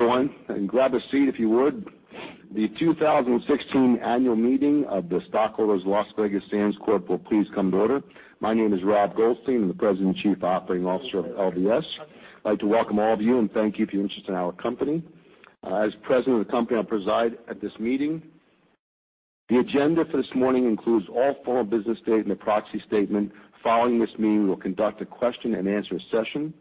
Everyone, grab a seat if you would. The 2016 annual meeting of the stockholders of Las Vegas Sands Corp will please come to order. My name is Rob Goldstein. I'm the President and Chief Operating Officer of LVS. I'd like to welcome all of you and thank you for your interest in our company. As President of the company, I preside at this meeting. The agenda for this morning includes all formal business stated in the proxy statement. Following this meeting, we will conduct a question-and-answer session.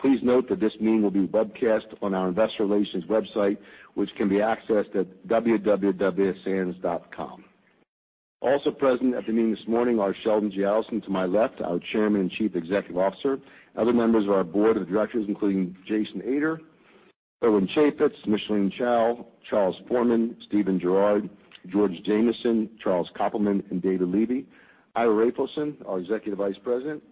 Please note that this meeting will be webcast on our investor relations website, which can be accessed at www.sands.com. Also present at the meeting this morning are Sheldon G. Adelson, to my left, our Chairman and Chief Executive Officer. Other members of our Board of Directors including Jason Ader, Irwin Chafetz, Micheline Chau, Charles Forman, Steven Gerard, George Jamieson, Charles Koppelman, and David Levy. Ira Raphaelson, our Executive Vice President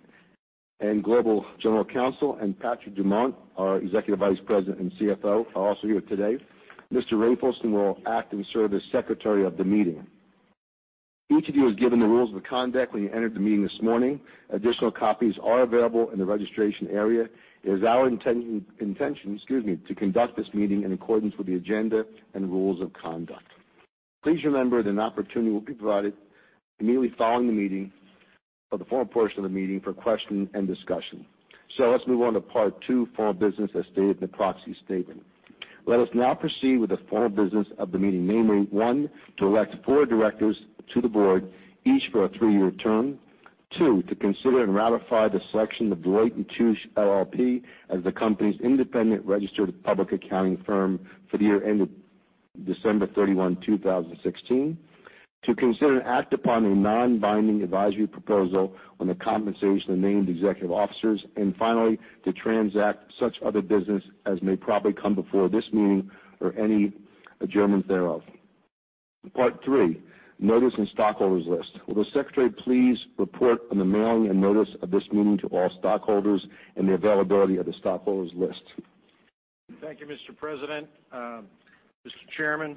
and Global General Counsel, and Patrick Dumont, our Executive Vice President and CFO, are also here today. Mr. Raphaelson will act and serve as Secretary of the meeting. Each of you was given the rules of conduct when you entered the meeting this morning. Additional copies are available in the registration area. It is our intention to conduct this meeting in accordance with the agenda and rules of conduct. Please remember that an opportunity will be provided immediately following the meeting, or the formal portion of the meeting, for question and discussion. Let's move on to part two, formal business as stated in the proxy statement. Let us now proceed with the formal business of the meeting, namely, one, to elect four directors to the Board, each for a three-year term. Two, to consider and ratify the selection of Deloitte & Touche LLP as the company's independent registered public accounting firm for the year ended December 31, 2016. To consider and act upon a non-binding advisory proposal on the compensation of named executive officers, and finally, to transact such other business as may properly come before this meeting or any adjournments thereof. Part three, notice and stockholders list. Will the Secretary please report on the mailing and notice of this meeting to all stockholders and the availability of the stockholders list? Thank you, Mr. President. Mr. Chairman,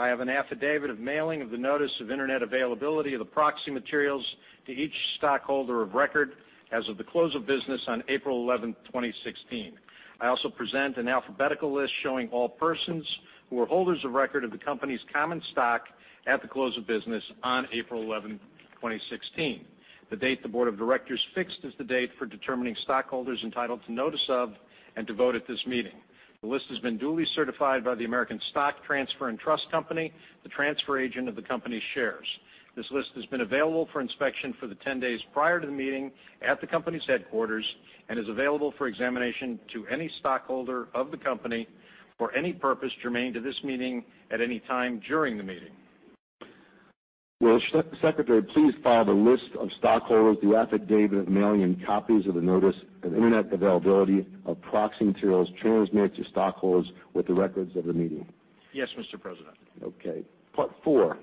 I have an affidavit of mailing of the notice of internet availability of the proxy materials to each stockholder of record as of the close of business on April 11, 2016. I also present an alphabetical list showing all persons who are holders of record of the company's common stock at the close of business on April 11, 2016, the date the Board of Directors fixed as the date for determining stockholders entitled to notice of and to vote at this meeting. The list has been duly certified by the American Stock Transfer & Trust Company, the transfer agent of the company's shares. This list has been available for inspection for the 10 days prior to the meeting at the company's headquarters and is available for examination to any stockholder of the company for any purpose germane to this meeting at any time during the meeting. Will the Secretary please file the list of stockholders, the affidavit of mailing, and copies of the notice and internet availability of proxy materials transmitted to stockholders with the records of the meeting? Yes, Mr. President. Okay. Part four.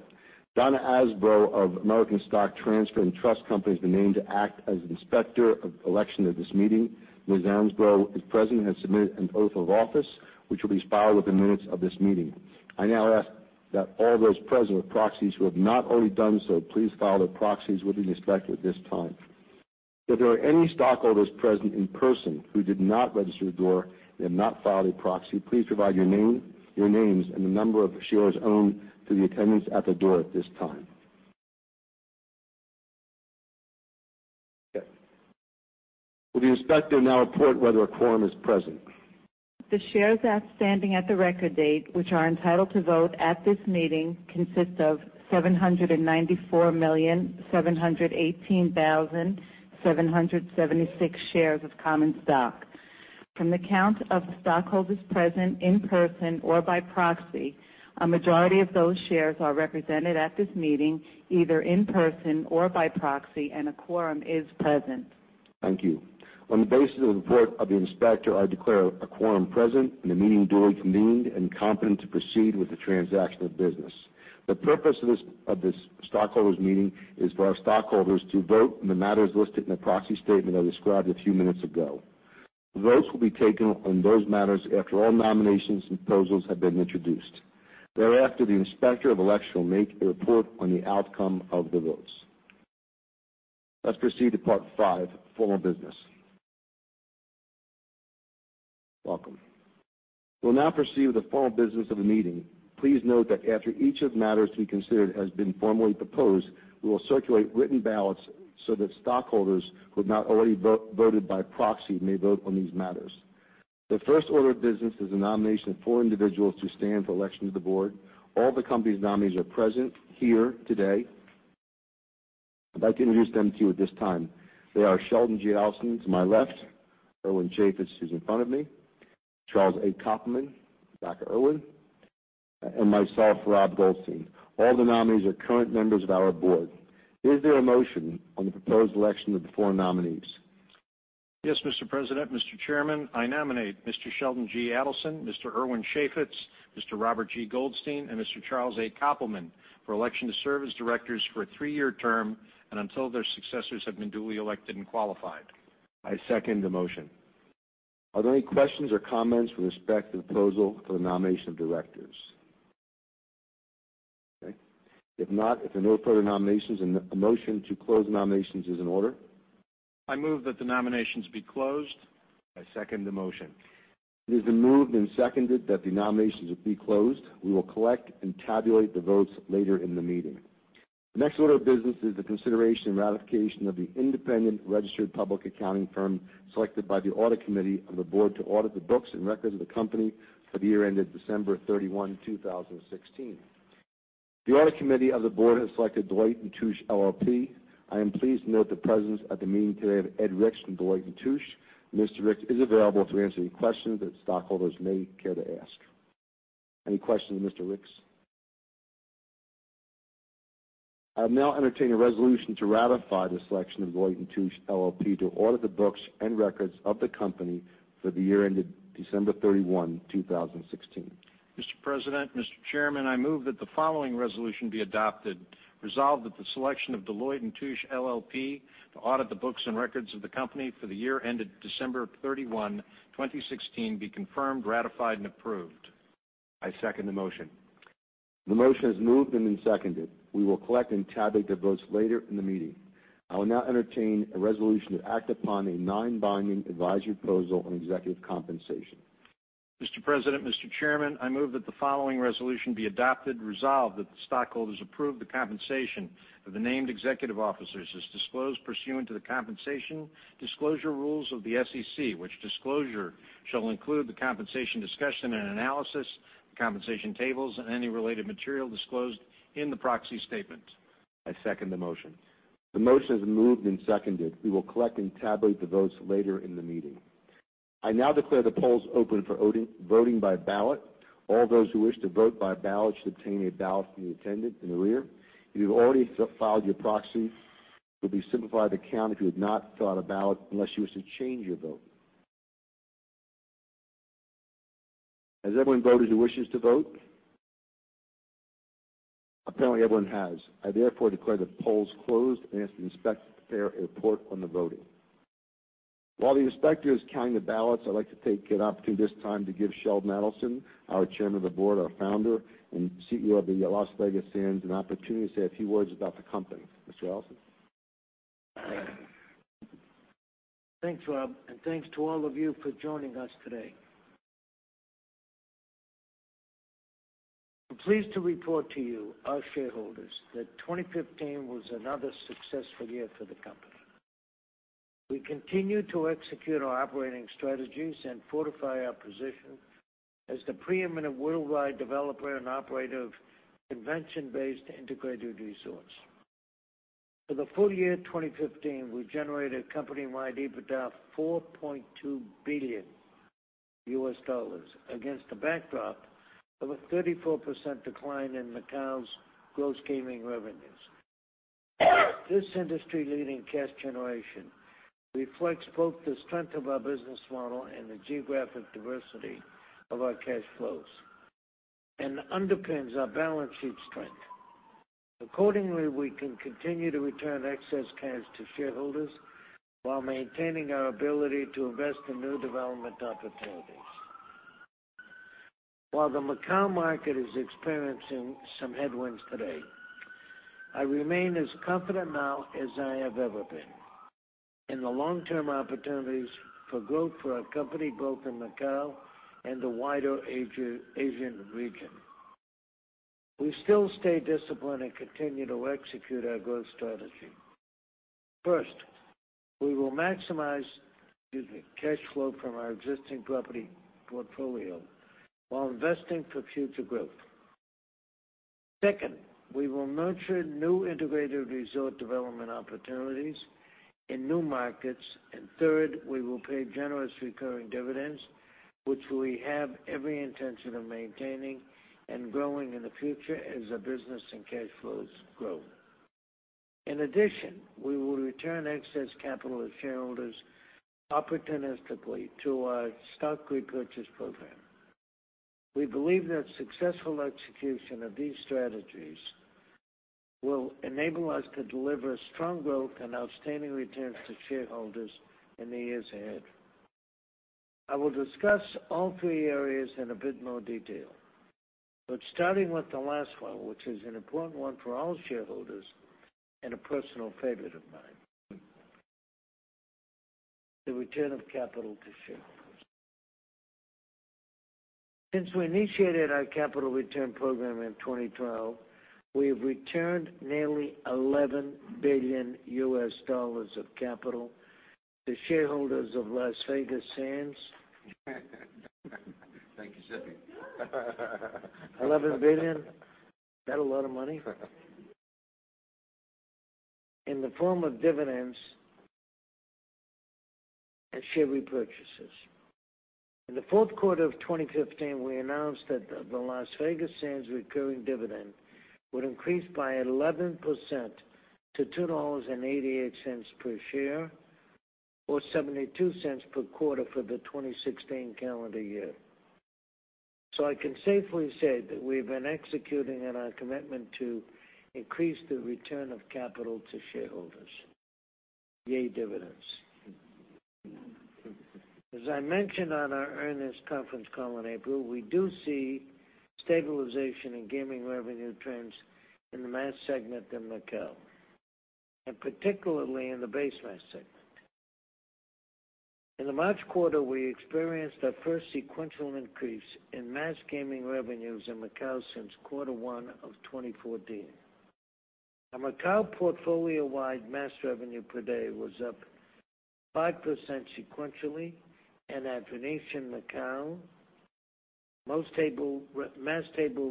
Donna Ansbro of American Stock Transfer & Trust Company has been named to act as the Inspector of Election at this meeting. Ms. Ansbro is present and has submitted an oath of office, which will be filed with the minutes of this meeting. I now ask that all those present with proxies who have not already done so, please file their proxies with the inspector at this time. If there are any stockholders present in person who did not register at the door and have not filed a proxy, please provide your names and the number of shares owned to the attendants at the door at this time. Okay. Will the inspector now report whether a quorum is present? The shares outstanding at the record date, which are entitled to vote at this meeting, consist of 794,718,776 shares of common stock. From the count of the stockholders present in person or by proxy, a majority of those shares are represented at this meeting, either in person or by proxy, and a quorum is present. Thank you. On the basis of the report of the inspector, I declare a quorum present and the meeting duly convened and competent to proceed with the transaction of business. The purpose of this stockholders meeting is for our stockholders to vote on the matters listed in the proxy statement I described a few minutes ago. Votes will be taken on those matters after all nominations and proposals have been introduced. Thereafter, the Inspector of Election will make a report on the outcome of the votes. Let's proceed to part five, formal business. Welcome. We'll now proceed with the formal business of the meeting. Please note that after each of the matters to be considered has been formally proposed, we will circulate written ballots so that stockholders who have not already voted by proxy may vote on these matters. The first order of business is the nomination of four individuals to stand for election to the board. All the company's nominees are present here today. I'd like to introduce them to you at this time. They are Sheldon G. Adelson to my left, Irwin Chafetz, who's in front of me, Charles A. Koppelman back at Irwin, and myself, Rob Goldstein. All the nominees are current members of our board. Is there a motion on the proposed election of the four nominees? Yes, Mr. President, Mr. Chairman, I nominate Mr. Sheldon G. Adelson, Mr. Irwin Chafetz, Mr. Robert G. Goldstein, and Mr. Charles A. Koppelman for election to serve as directors for a three-year term and until their successors have been duly elected and qualified. I second the motion. Are there any questions or comments with respect to the proposal for the nomination of directors? If not, if there are no further nominations, a motion to close the nominations is in order. I move that the nominations be closed. I second the motion. It has been moved and seconded that the nominations be closed. We will collect and tabulate the votes later in the meeting. The next order of business is the consideration and ratification of the independent registered public accounting firm selected by the audit committee of the board to audit the books and records of the company for the year ended December 31, 2016. The audit committee of the board has selected Deloitte & Touche LLP. I am pleased to note the presence at the meeting today of Ed Ricks from Deloitte & Touche. Mr. Ricks is available to answer any questions that stockholders may care to ask. Any questions of Mr. Ricks? I will now entertain a resolution to ratify the selection of Deloitte & Touche LLP to audit the books and records of the company for the year ended December 31, 2016. Mr. President, Mr. Chairman, I move that the following resolution be adopted. Resolve that the selection of Deloitte & Touche LLP to audit the books and records of the company for the year ended December 31, 2016, be confirmed, ratified, and approved. I second the motion. The motion is moved and seconded. We will collect and tabulate the votes later in the meeting. I will now entertain a resolution to act upon a non-binding advisory proposal on executive compensation. Mr. President, Mr. Chairman, I move that the following resolution be adopted. Resolve that the stockholders approve the compensation of the named executive officers as disclosed pursuant to the compensation disclosure rules of the SEC, which disclosure shall include the compensation discussion and analysis, compensation tables, and any related material disclosed in the proxy statement. I second the motion. The motion is moved and seconded. We will collect and tabulate the votes later in the meeting. I now declare the polls open for voting by ballot. All those who wish to vote by ballot should obtain a ballot from the attendant in the rear. If you've already filed your proxy, it would be simplified to count if you had not filled out a ballot unless you wish to change your vote. Has everyone voted who wishes to vote? Apparently, everyone has. I therefore declare the polls closed and ask the inspector to prepare a report on the voting. While the inspector is counting the ballots, I'd like to take an opportunity at this time to give Sheldon Adelson, our chairman of the board, our founder, and CEO of the Las Vegas Sands, an opportunity to say a few words about the company. Mr. Adelson? Thanks, Rob, and thanks to all of you for joining us today. I'm pleased to report to you, our shareholders, that 2015 was another successful year for the company. We continued to execute our operating strategies and fortify our position as the preeminent worldwide developer and operator of convention-based integrated resorts. For the full year 2015, we generated company-wide EBITDA of $4.2 billion against the backdrop of a 34% decline in Macau's gross gaming revenues. This industry-leading cash generation reflects both the strength of our business model and the geographic diversity of our cash flows and underpins our balance sheet strength. Accordingly, we can continue to return excess cash to shareholders while maintaining our ability to invest in new development opportunities. While the Macau market is experiencing some headwinds today, I remain as confident now as I have ever been in the long-term opportunities for growth for our company, both in Macau and the wider Asian region. We still stay disciplined and continue to execute our growth strategy. First, we will maximize cash flow from our existing property portfolio while investing for future growth. Second, we will nurture new integrated resort development opportunities in new markets. Third, we will pay generous recurring dividends, which we have every intention of maintaining and growing in the future as our business and cash flows grow. In addition, we will return excess capital to shareholders opportunistically through our stock repurchase program. We believe that successful execution of these strategies will enable us to deliver strong growth and outstanding returns to shareholders in the years ahead. I will discuss all three areas in a bit more detail, starting with the last one, which is an important one for all shareholders and a personal favorite of mine. The return of capital to shareholders. Since we initiated our capital return program in 2012, we have returned nearly $11 billion of capital to shareholders of Las Vegas Sands. Thank you, Sheldon. $11 billion. Isn't that a lot of money? In the form of dividends and share repurchases. In the fourth quarter of 2015, we announced that the Las Vegas Sands recurring dividend would increase by 11% to $2.88 per share, or $0.72 per quarter for the 2016 calendar year. I can safely say that we've been executing on our commitment to increase the return of capital to shareholders. Yay dividends. As I mentioned on our earnings conference call in April, I do see stabilization in gaming revenue trends in the mass segment in Macao, and particularly in the base mass segment. In the March quarter, we experienced our first sequential increase in mass gaming revenues in Macao since quarter one of 2014. Our Macao portfolio-wide mass revenue per day was up 5% sequentially, and at The Venetian Macao, mass table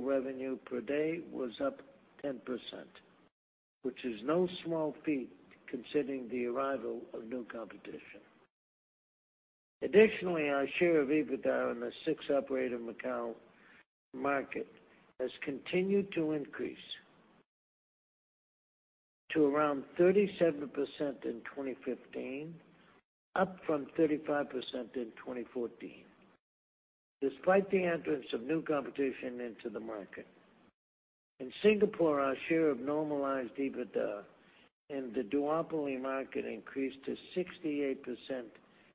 revenue per day was up 10%, which is no small feat considering the arrival of new competition. Additionally, our share of EBITDA in the six-operator Macao market has continued to increase to around 37% in 2015, up from 35% in 2014, despite the entrance of new competition into the market. In Singapore, our share of normalized EBITDA in the duopoly market increased to 68%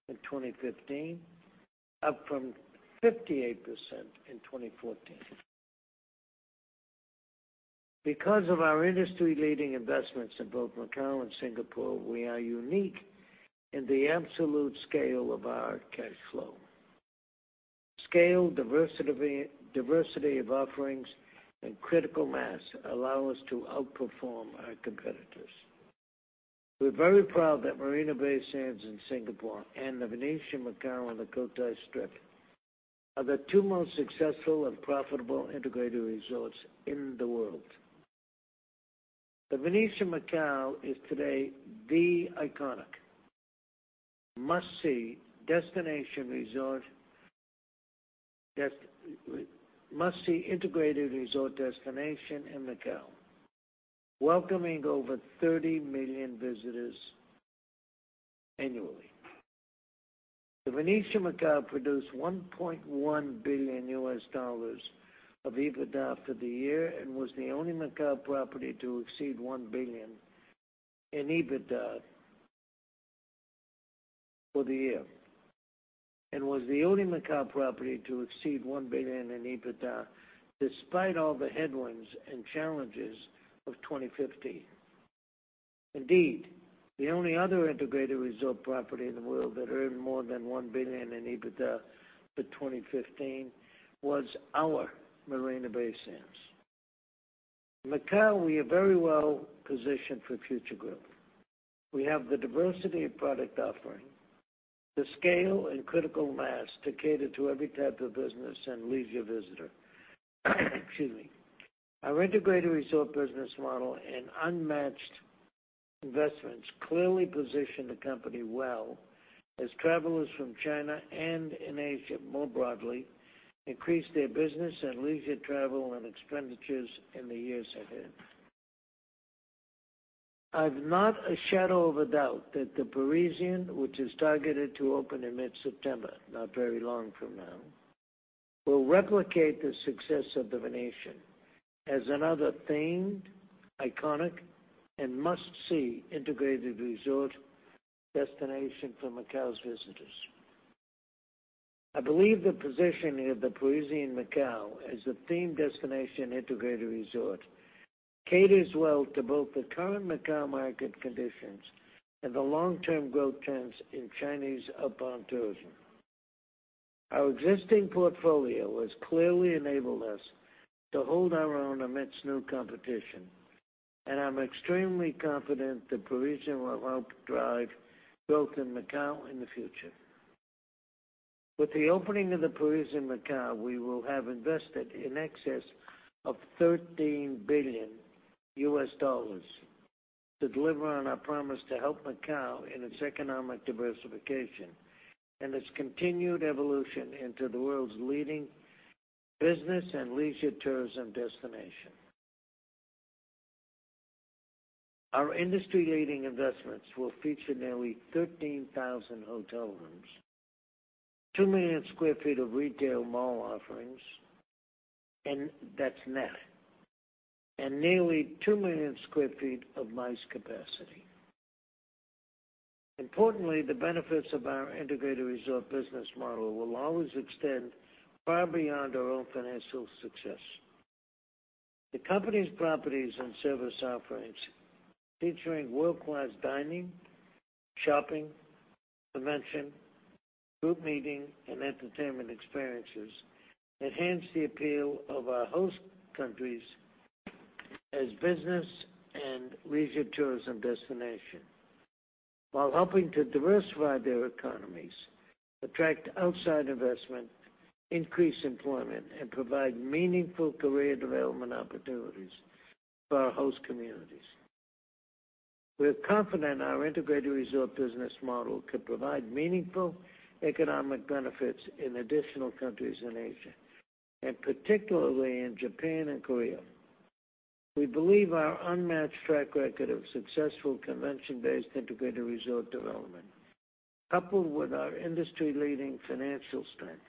in 2015, up from 58% in 2014. Of our industry-leading investments in both Macao and Singapore, we are unique in the absolute scale of our cash flow. Scale, diversity of offerings, and critical mass allow us to outperform our competitors. We're very proud that Marina Bay Sands in Singapore and The Venetian Macao on the Cotai Strip are the 2 most successful and profitable integrated resorts in the world. The Venetian Macao is today the iconic must-see integrated resort destination in Macao, welcoming over 30 million visitors annually. The Venetian Macao produced $1.1 billion of EBITDA for the year and was the only Macao property to exceed $1 billion in EBITDA for the year, and was the only Macao property to exceed $1 billion in EBITDA, despite all the headwinds and challenges of 2015. Indeed, the only other integrated resort property in the world that earned more than $1 billion in EBITDA for 2015 was our Marina Bay Sands. In Macao, we are very well positioned for future growth. We have the diversity of product offering, the scale and critical mass to cater to every type of business and leisure visitor. Excuse me. Our integrated resort business model and unmatched investments clearly position the company well as travelers from China and in Asia more broadly increase their business and leisure travel and expenditures in the years ahead. I've not a shadow of a doubt that The Parisian, which is targeted to open in mid-September, not very long from now, will replicate the success of The Venetian as another themed, iconic, and must-see integrated resort destination for Macao's visitors. I believe the positioning of The Parisian Macao as a themed destination integrated resort caters well to both the current Macao market conditions and the long-term growth trends in Chinese outbound tourism. Our existing portfolio has clearly enabled us to hold our own amidst new competition, and I'm extremely confident The Parisian will help drive growth in Macao in the future. With the opening of The Parisian Macao, we will have invested in excess of $13 billion to deliver on our promise to help Macao in its economic diversification and its continued evolution into the world's leading business and leisure tourism destination. Our industry-leading investments will feature nearly 13,000 hotel rooms, 2 million sq ft of retail mall offerings, and that's net, and nearly 2 million sq ft of MICE capacity. Importantly, the benefits of our integrated resort business model will always extend far beyond our own financial success. The company's properties and service offerings featuring world-class dining, shopping, convention, group meeting, and entertainment experiences enhance the appeal of our host countries as business and leisure tourism destination, while helping to diversify their economies, attract outside investment, increase employment, and provide meaningful career development opportunities for our host communities. We're confident our integrated resort business model can provide meaningful economic benefits in additional countries in Asia, and particularly in Japan and Korea. We believe our unmatched track record of successful convention-based integrated resort development, coupled with our industry-leading financial strength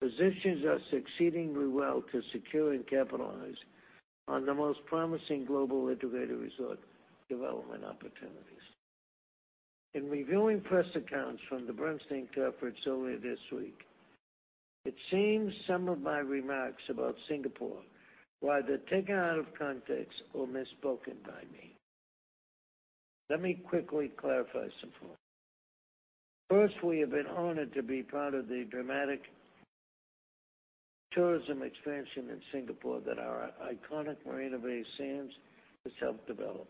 positions us exceedingly well to secure and capitalize on the most promising global integrated resort development opportunities. In reviewing press accounts from the Bernstein conference earlier this week, it seems some of my remarks about Singapore were either taken out of context or misspoken by me. Let me quickly clarify some points. First, we have been honored to be part of the dramatic tourism expansion in Singapore that our iconic Marina Bay Sands has helped develop.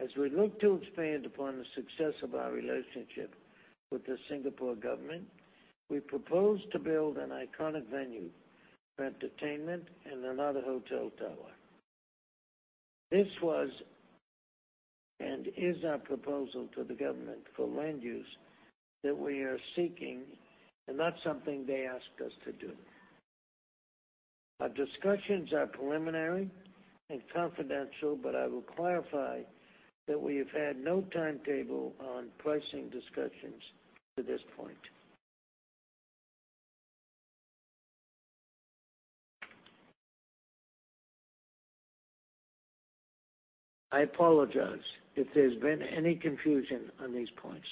As we look to expand upon the success of our relationship with the Singapore government, we propose to build an iconic venue for entertainment and another hotel tower. This was, and is our proposal to the government for land use that we are seeking and not something they asked us to do. Our discussions are preliminary and confidential, but I will clarify that we have had no timetable on pricing discussions to this point. I apologize if there's been any confusion on these points.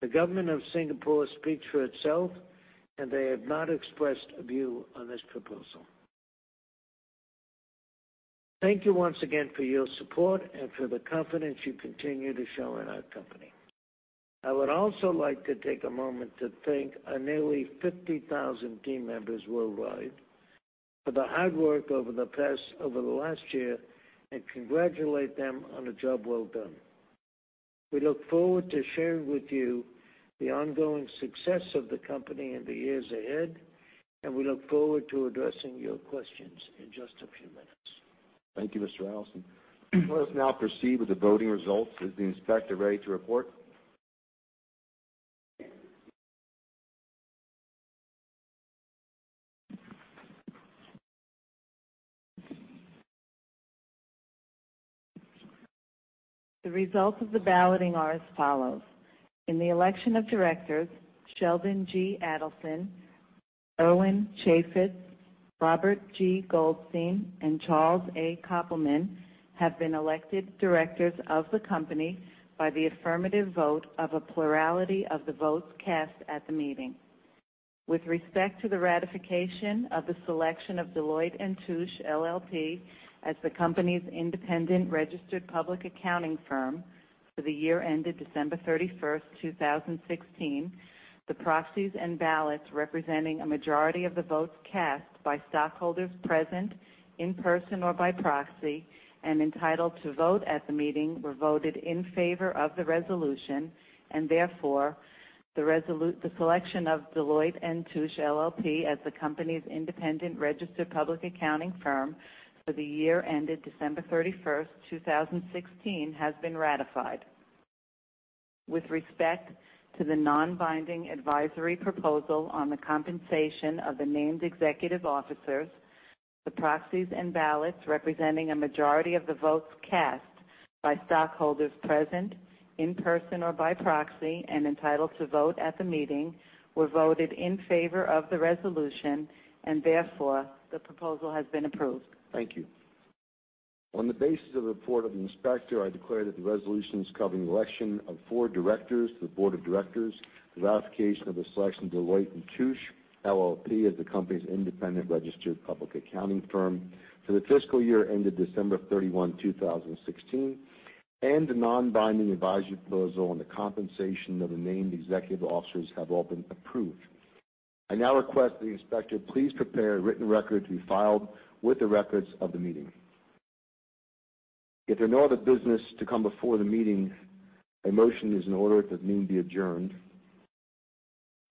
The government of Singapore speaks for itself, and they have not expressed a view on this proposal. Thank you once again for your support and for the confidence you continue to show in our company. I would also like to take a moment to thank our nearly 50,000 team members worldwide for the hard work over the last year and congratulate them on a job well done. We look forward to sharing with you the ongoing success of the company in the years ahead, and we look forward to addressing your questions in just a few minutes. Thank you, Mr. Adelson. Let us now proceed with the voting results. Is the inspector ready to report? The results of the balloting are as follows. In the election of directors, Sheldon G. Adelson, Irwin Chafetz, Robert G. Goldstein, and Charles A. Koppelman have been elected directors of the company by the affirmative vote of a plurality of the votes cast at the meeting. With respect to the ratification of the selection of Deloitte & Touche LLP as the company's independent registered public accounting firm for the year ended December 31st, 2016, the proxies and ballots representing a majority of the votes cast by stockholders present in person or by proxy and entitled to vote at the meeting were voted in favor of the resolution, and therefore, the selection of Deloitte & Touche LLP as the company's independent registered public accounting firm for the year ended December 31st, 2016 has been ratified. With respect to the non-binding advisory proposal on the compensation of the named executive officers, the proxies and ballots representing a majority of the votes cast by stockholders present in person or by proxy and entitled to vote at the meeting were voted in favor of the resolution, and therefore, the proposal has been approved. Thank you. On the basis of the report of the inspector, I declare that the resolutions covering the election of four directors to the board of directors, the ratification of the selection of Deloitte & Touche LLP as the company's independent registered public accounting firm for the fiscal year ended December 31, 2016, and the non-binding advisory proposal on the compensation of the named executive officers have all been approved. I now request the inspector please prepare a written record to be filed with the records of the meeting. If there no other business to come before the meeting, a motion is in order that the meeting be adjourned.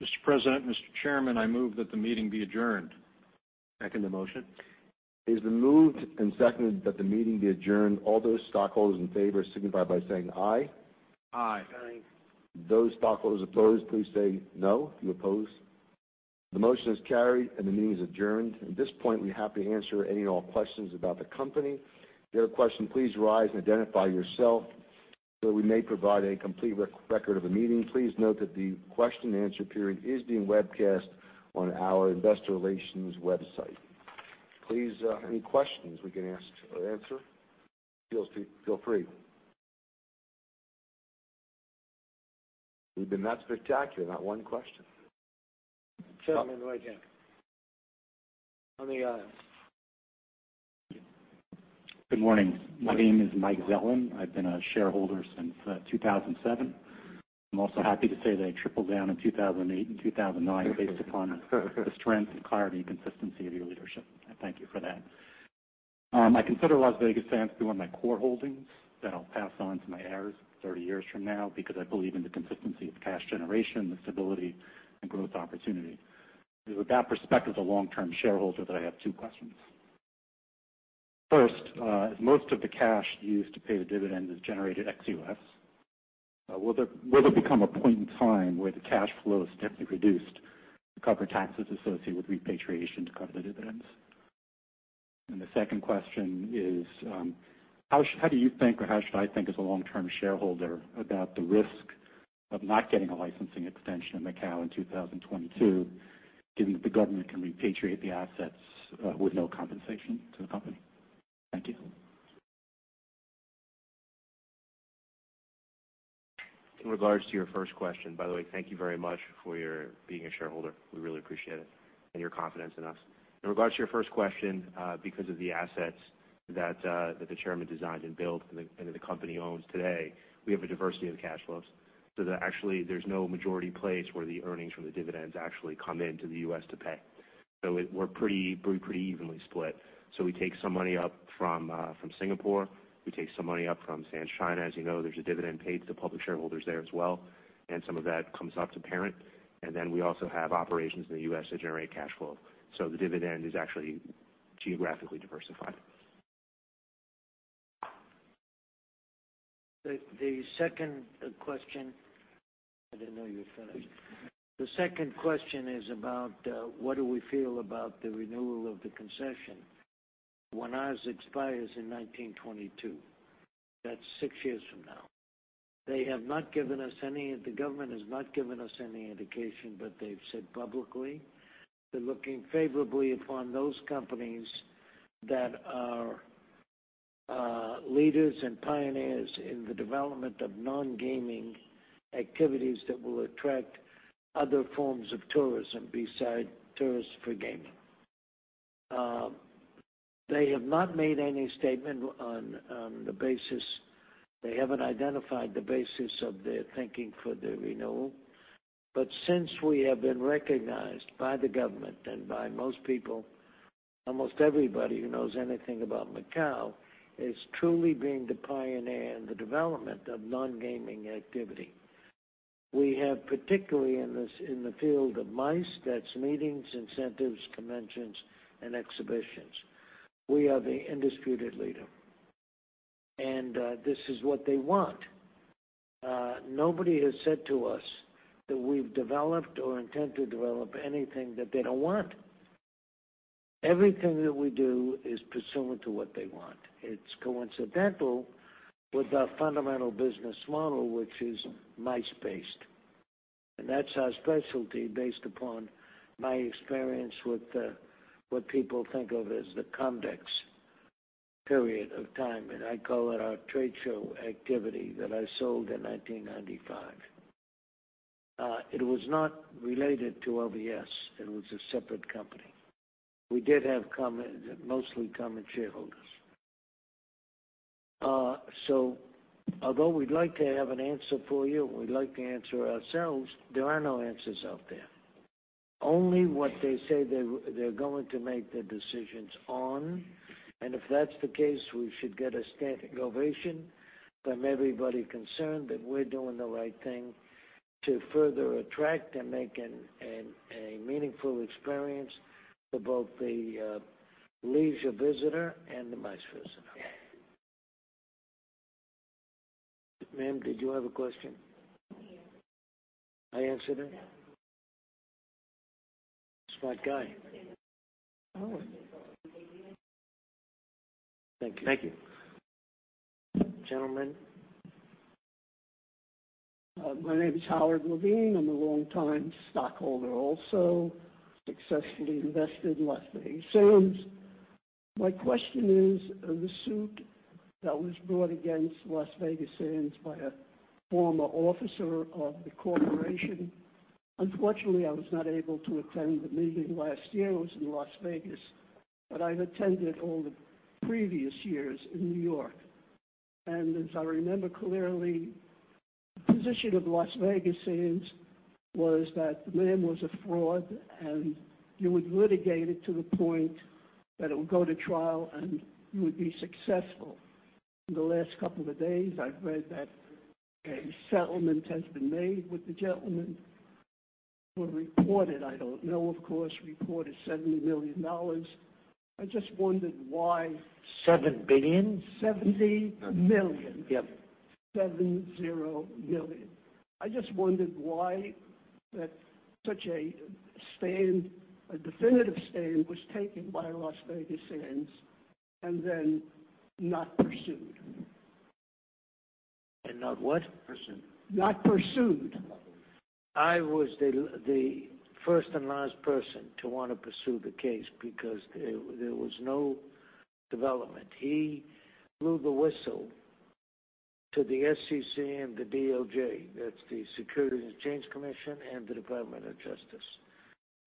Mr. President, Mr. Chairman, I move that the meeting be adjourned. Second the motion. It has been moved and seconded that the meeting be adjourned. All those stockholders in favor signify by saying aye. Aye. Aye. Aye. Those stockholders opposed, please say no, if you oppose. The motion is carried and the meeting is adjourned. At this point, we're happy to answer any and all questions about the company. If you have a question, please rise and identify yourself so that we may provide a complete record of the meeting. Please note that the question and answer period is being webcast on our investor relations website. Please, any questions we can answer, feel free. We've been that spectacular, not one question. Gentleman right here. On the aisle. Good morning. My name is Mike Zelin. I've been a shareholder since 2007. I'm also happy to say that I tripled down in 2008 and 2009 based upon the strength and clarity and consistency of your leadership. I thank you for that. I consider Las Vegas Sands to be one of my core holdings that I'll pass on to my heirs 30 years from now because I believe in the consistency of cash generation, the stability, and growth opportunity. It is with that perspective of a long-term shareholder that I have two questions. First, most of the cash used to pay the dividend is generated ex-U.S. Will there become a point in time where the cash flow is significantly reduced to cover taxes associated with repatriation to cover the dividends? The second question is, how do you think, or how should I think as a long-term shareholder about the risk of not getting a licensing extension in Macao in 2022, given that the government can repatriate the assets with no compensation to the company? Thank you. By the way, thank you very much for being a shareholder. We really appreciate it and your confidence in us. In regards to your first question, because of the assets that the chairman designed and built and that the company owns today, we have a diversity of cash flows. That actually there's no majority place where the earnings from the dividends actually come into the U.S. to pay. We're pretty evenly split. We take some money up from Singapore. We take some money up from Sands China. As you know, there's a dividend paid to public shareholders there as well, and some of that comes up to parent. Then we also have operations in the U.S. that generate cash flow. The dividend is actually geographically diversified. The second question. I didn't know you were finished. The second question is about what do we feel about the renewal of the concession when ours expires in 2022. That's six years from now. The government has not given us any indication, but they've said publicly they're looking favorably upon those companies that are leaders and pioneers in the development of non-gaming activities that will attract other forms of tourism besides tourists for gaming. They have not made any statement on the basis. They haven't identified the basis of their thinking for the renewal. Since we have been recognized by the government and by most people, almost everybody who knows anything about Macao, as truly being the pioneer in the development of non-gaming activity. We have, particularly in the field of MICE, that's Meetings, Incentives, Conventions, and Exhibitions. We are the undisputed leader, and this is what they want. Nobody has said to us that we've developed or intend to develop anything that they don't want. Everything that we do is pursuant to what they want. It's coincidental with our fundamental business model, which is MICE-based, and that's our specialty based upon my experience with what people think of as the COMDEX period of time, and I call it our trade show activity that I sold in 1995. It was not related to LVS. It was a separate company. We did have mostly common shareholders. Although we'd like to have an answer for you, we'd like to answer ourselves, there are no answers out there. Only what they say they're going to make their decisions on, if that's the case, we should get a standing ovation from everybody concerned that we're doing the right thing to further attract and make a meaningful experience for both the leisure visitor and the MICE visitor. Ma'am, did you have a question? No. I answered it? Yes. Smart guy. Thank you. Thank you. Gentlemen. My name is Howard Levine. I'm a longtime stockholder, also successfully invested in Las Vegas Sands. My question is the suit that was brought against Las Vegas Sands by a former officer of the corporation. Unfortunately, I was not able to attend the meeting last year. I was in Las Vegas, but I've attended all the previous years in New York. As I remember clearly, the position of Las Vegas Sands was that the man was a fraud. You would litigate it to the point that it would go to trial. You would be successful. In the last couple of days, I've read that a settlement has been made with the gentleman. It was reported, I don't know, of course, reported $70 million. I just wondered why- $7 billion? $70 million. Yep. $70 million. I just wondered why such a definitive stand was taken by Las Vegas Sands then not pursued. Not what? Not pursued. I was the first and last person to want to pursue the case because there was no development. He blew the whistle to the SEC and the DOJ. That's the Securities and Exchange Commission and the Department of Justice.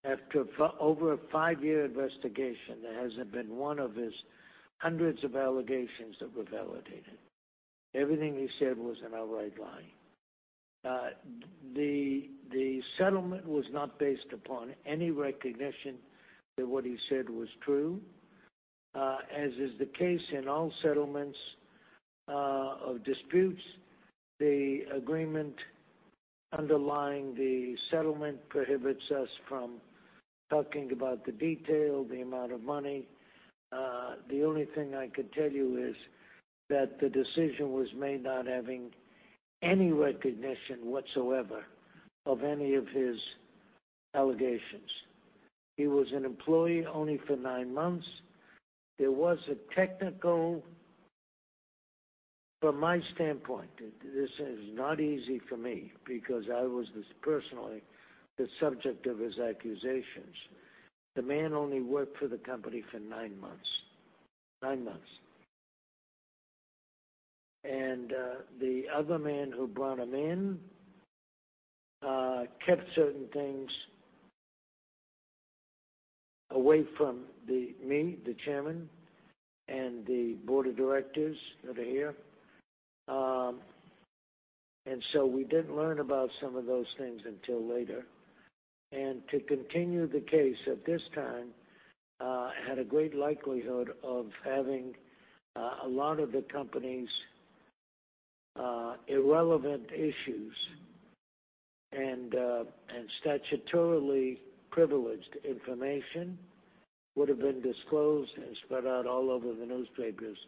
After over a five-year investigation, there hasn't been one of his hundreds of allegations that were validated. Everything he said was an outright lie. The settlement was not based upon any recognition that what he said was true. As is the case in all settlements of disputes, the agreement underlying the settlement prohibits us from talking about the detail, the amount of money. The only thing I could tell you is that the decision was made not having any recognition whatsoever of any of his allegations. He was an employee only for nine months. From my standpoint, this is not easy for me because I was personally the subject of his accusations. The man only worked for the company for nine months. Nine months. The other man who brought him in kept certain things away from me, the chairman, and the board of directors that are here. We didn't learn about some of those things until later. To continue the case at this time had a great likelihood of having a lot of the company's irrelevant issues, and statutorily privileged information would have been disclosed and spread out all over the newspapers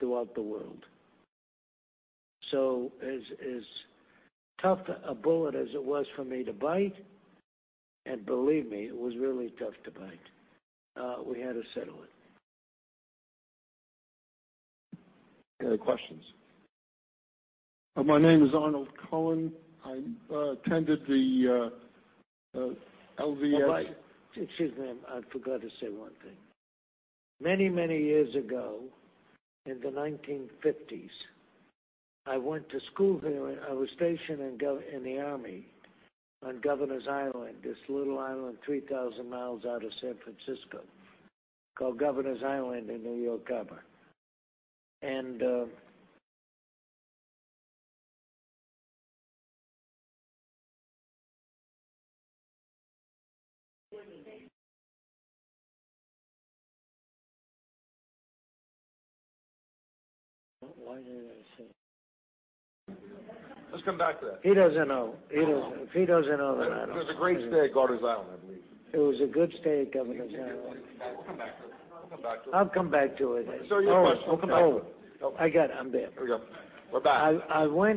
throughout the world. As tough a bullet as it was for me to bite, and believe me, it was really tough to bite, we had to settle it. Any other questions? My name is Arnold Cohen. I attended the LVS- Excuse me, I forgot to say one thing. Many years ago, in the 1950s, I went to school there. I was stationed in the army on Governors Island, this little island 3,000 miles out of San Francisco called Governors Island in New York Harbor. Why did I say Let's come back to that. He doesn't know. If he doesn't know, I don't know. It was a great stay at Governors Island, I believe. It was a good stay at Governors Island. We'll come back to it. I'll come back to it. Sir, your question. We'll come back to it. I got it. I'm there. Here we go. We're back.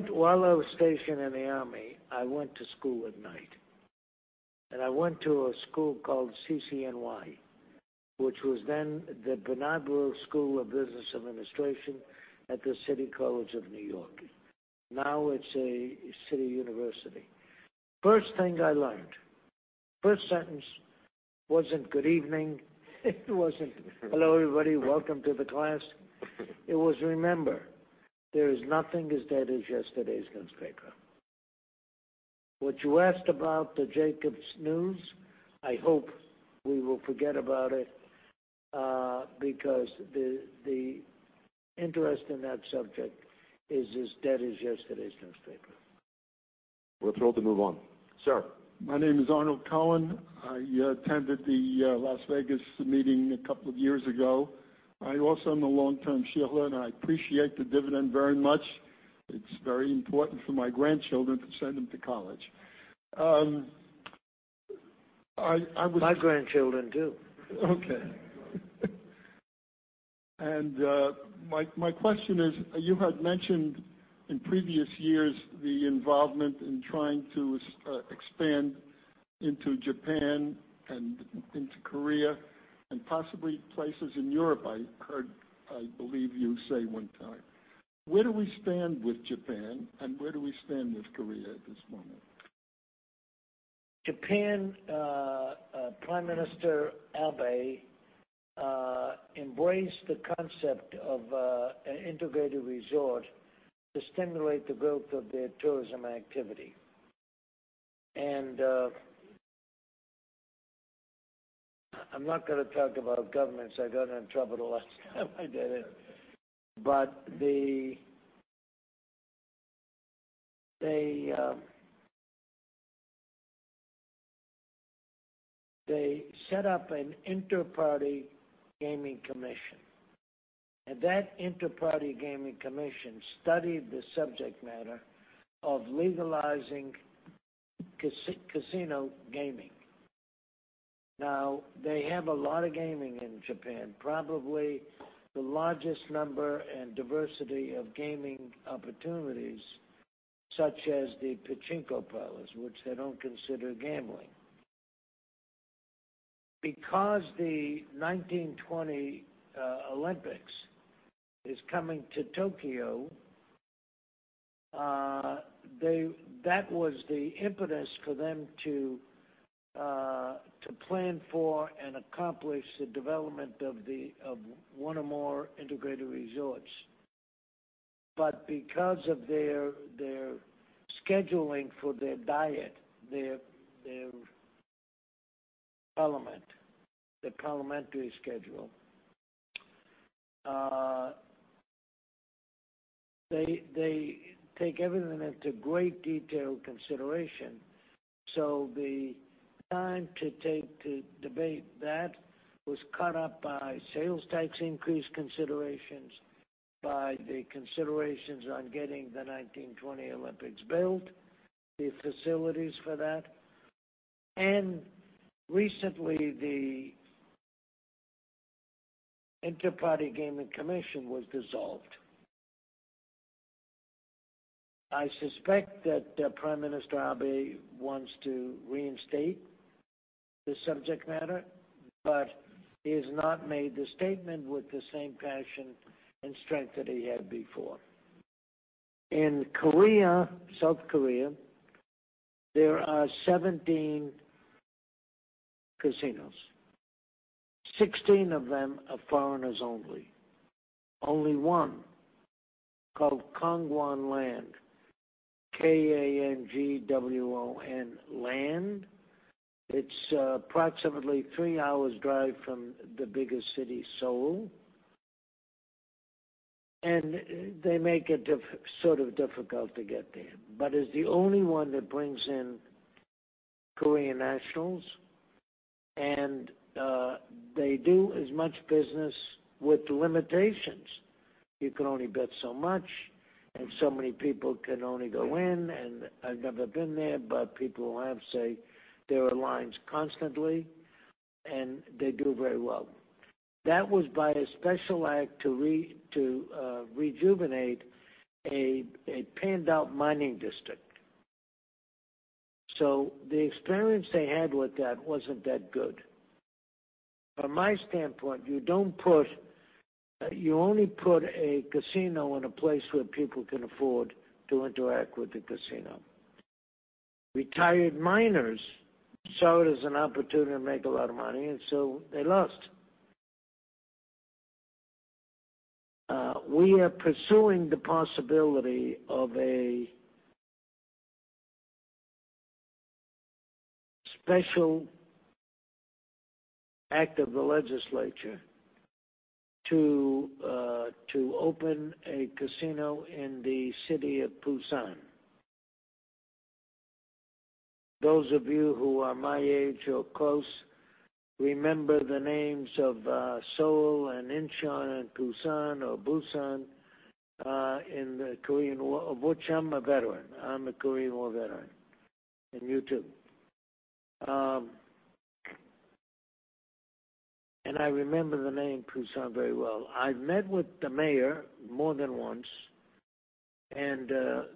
While I was stationed in the Army, I went to school at night. I went to a school called CCNY, which was then the Bernard Baruch School of Business Administration at the City College of New York. Now it's a city university. First thing I learned, first sentence wasn't good evening. It wasn't, "Hello, everybody, welcome to the class." It was, "Remember, there is nothing as dead as yesterday's newspaper." What you asked about the Jacobs News, I hope we will forget about it, because the interest in that subject is as dead as yesterday's newspaper. We're thrilled to move on. Sir. My name is Arnold Cohen. I attended the Las Vegas meeting a couple of years ago. I also am a long-term shareholder, and I appreciate the dividend very much. It's very important for my grandchildren, to send them to college. My grandchildren, too. Okay. My question is, you had mentioned in previous years the involvement in trying to expand into Japan and into Korea and possibly places in Europe, I heard, I believe you say one time. Where do we stand with Japan and where do we stand with Korea at this moment? Japan, Prime Minister Abe embraced the concept of an integrated resort to stimulate the growth of their tourism activity. I'm not going to talk about governments. I got in trouble the last time I did it. They set up an Interparty Gaming Commission. That Interparty Gaming Commission studied the subject matter of legalizing casino gaming. Now, they have a lot of gaming in Japan, probably the largest number and diversity of gaming opportunities, such as the pachinko parlors, which they don't consider gambling. Because the 2020 Olympics is coming to Tokyo, that was the impetus for them to plan for and accomplish the development of one or more integrated resorts. Because of their scheduling for their Diet, their parliament, the parliamentary schedule, they take everything into great detail consideration. The time to take to debate that was caught up by sales tax increase considerations, by the considerations on getting the 2020 Olympics built, the facilities for that. Recently, the Interparty Gaming Commission was dissolved I suspect that Prime Minister Abe wants to reinstate this subject matter, but he has not made the statement with the same passion and strength that he had before. In South Korea, there are 17 casinos. 16 of them are foreigners only. Only one, called Kangwon Land, K-A-N-G-W-O-N Land. It's approximately a three hours drive from the biggest city, Seoul, and they make it sort of difficult to get there, but is the only one that brings in Korean nationals, and they do as much business with limitations. You can only bet so much, and so many people can only go in, and I've never been there, but people who have say there are lines constantly, and they do very well. That was by a special act to rejuvenate a panned-out mining district. The experience they had with that wasn't that good. From my standpoint, you only put a casino in a place where people can afford to interact with the casino. Retired miners saw it as an opportunity to make a lot of money, and so they lost. We are pursuing the possibility of a special act of the legislature to open a casino in the city of Busan. Those of you who are my age or close, remember the names of Seoul and Incheon and Busan or Busan, in the Korean War, of which I'm a veteran. I'm a Korean War veteran, and you too. I remember the name Busan very well. I've met with the mayor more than once. The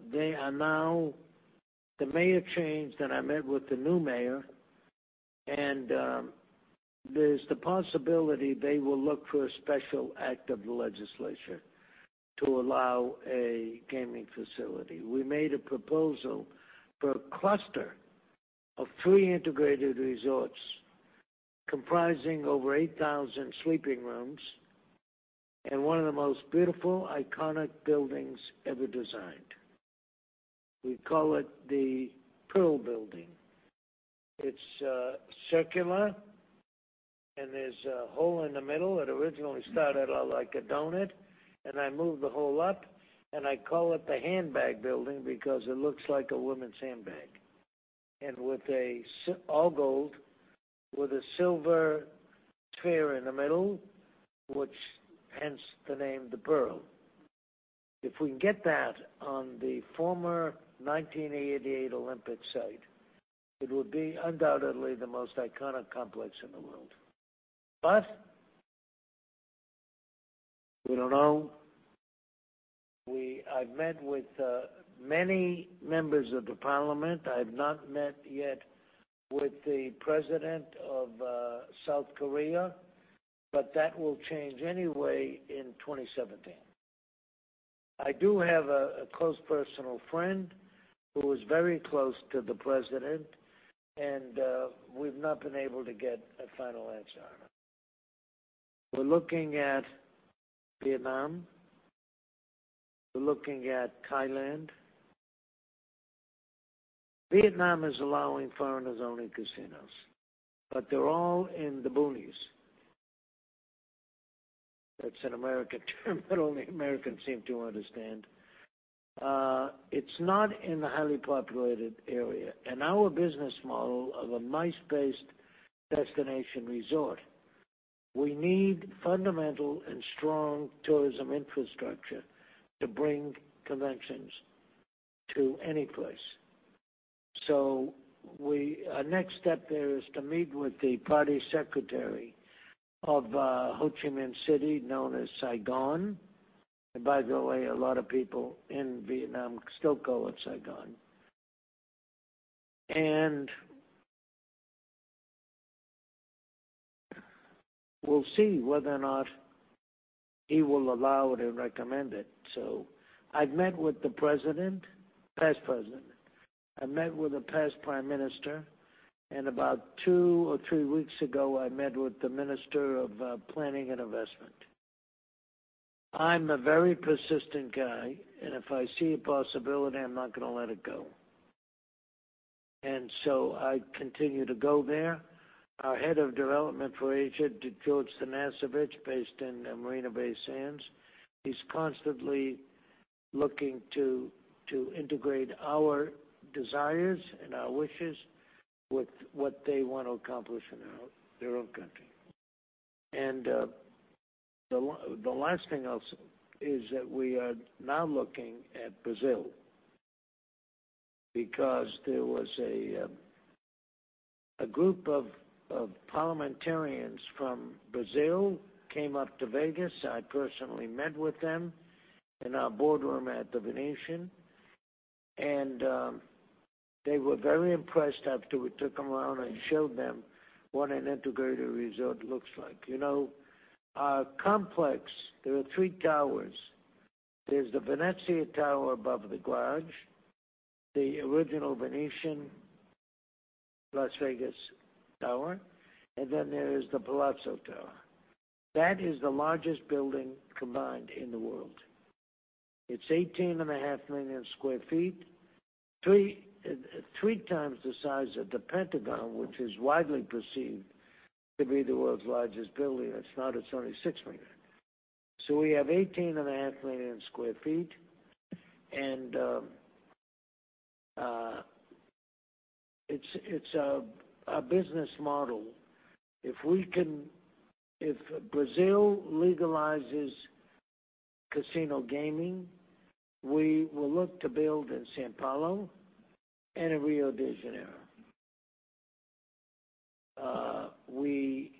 mayor changed, and I met with the new mayor, and there's the possibility they will look for a special act of the legislature to allow a gaming facility. We made a proposal for a cluster of three integrated resorts comprising over 8,000 sleeping rooms and one of the most beautiful, iconic buildings ever designed. We call it the Pearl Building. It's circular, and there's a hole in the middle. It originally started out like a donut, and I moved the hole up, and I call it the Handbag Building because it looks like a woman's handbag. All gold with a silver sphere in the middle, hence the name The Pearl. If we can get that on the former 1988 Olympic site, it would be undoubtedly the most iconic complex in the world. We don't know. I've met with many members of the parliament. I've not met yet with the president of South Korea, but that will change anyway in 2017. I do have a close personal friend who is very close to the president, and we've not been able to get a final answer on it. We're looking at Vietnam. We're looking at Thailand. Vietnam is allowing foreigners-only casinos, but they're all in the boonies. That's an American term that only Americans seem to understand. It's not in the highly populated area. In our business model of a MICE-based destination resort, we need fundamental and strong tourism infrastructure to bring conventions to any place. Our next step there is to meet with the party secretary of Ho Chi Minh City, known as Saigon. By the way, a lot of people in Vietnam still call it Saigon. We'll see whether or not he will allow it or recommend it. I've met with the past president, I met with the past prime minister, and about two or three weeks ago, I met with the minister of planning and investment. I'm a very persistent guy, and if I see a possibility, I'm not going to let it go. I continue to go there. Our head of development for Asia, George Tanasijevich, based in Marina Bay Sands, he's constantly looking to integrate our desires and our wishes with what they want to accomplish in their own country. The last thing is that we are now looking at Brazil because there was a group of parliamentarians from Brazil came up to Vegas. I personally met with them in our boardroom at The Venetian, and they were very impressed after we took them around and showed them what an integrated resort looks like. Our complex, there are three towers. There's the Venezia tower above the garage, The Venetian Las Vegas tower, and then there is The Palazzo tower. That is the largest building combined in the world. It's 18.5 million square feet, three times the size of the Pentagon, which is widely perceived to be the world's largest building. It's not. It's only 6 million. We have 18.5 million square feet, and it's a business model. If Brazil legalizes casino gaming, we will look to build in São Paulo and in Rio de Janeiro. We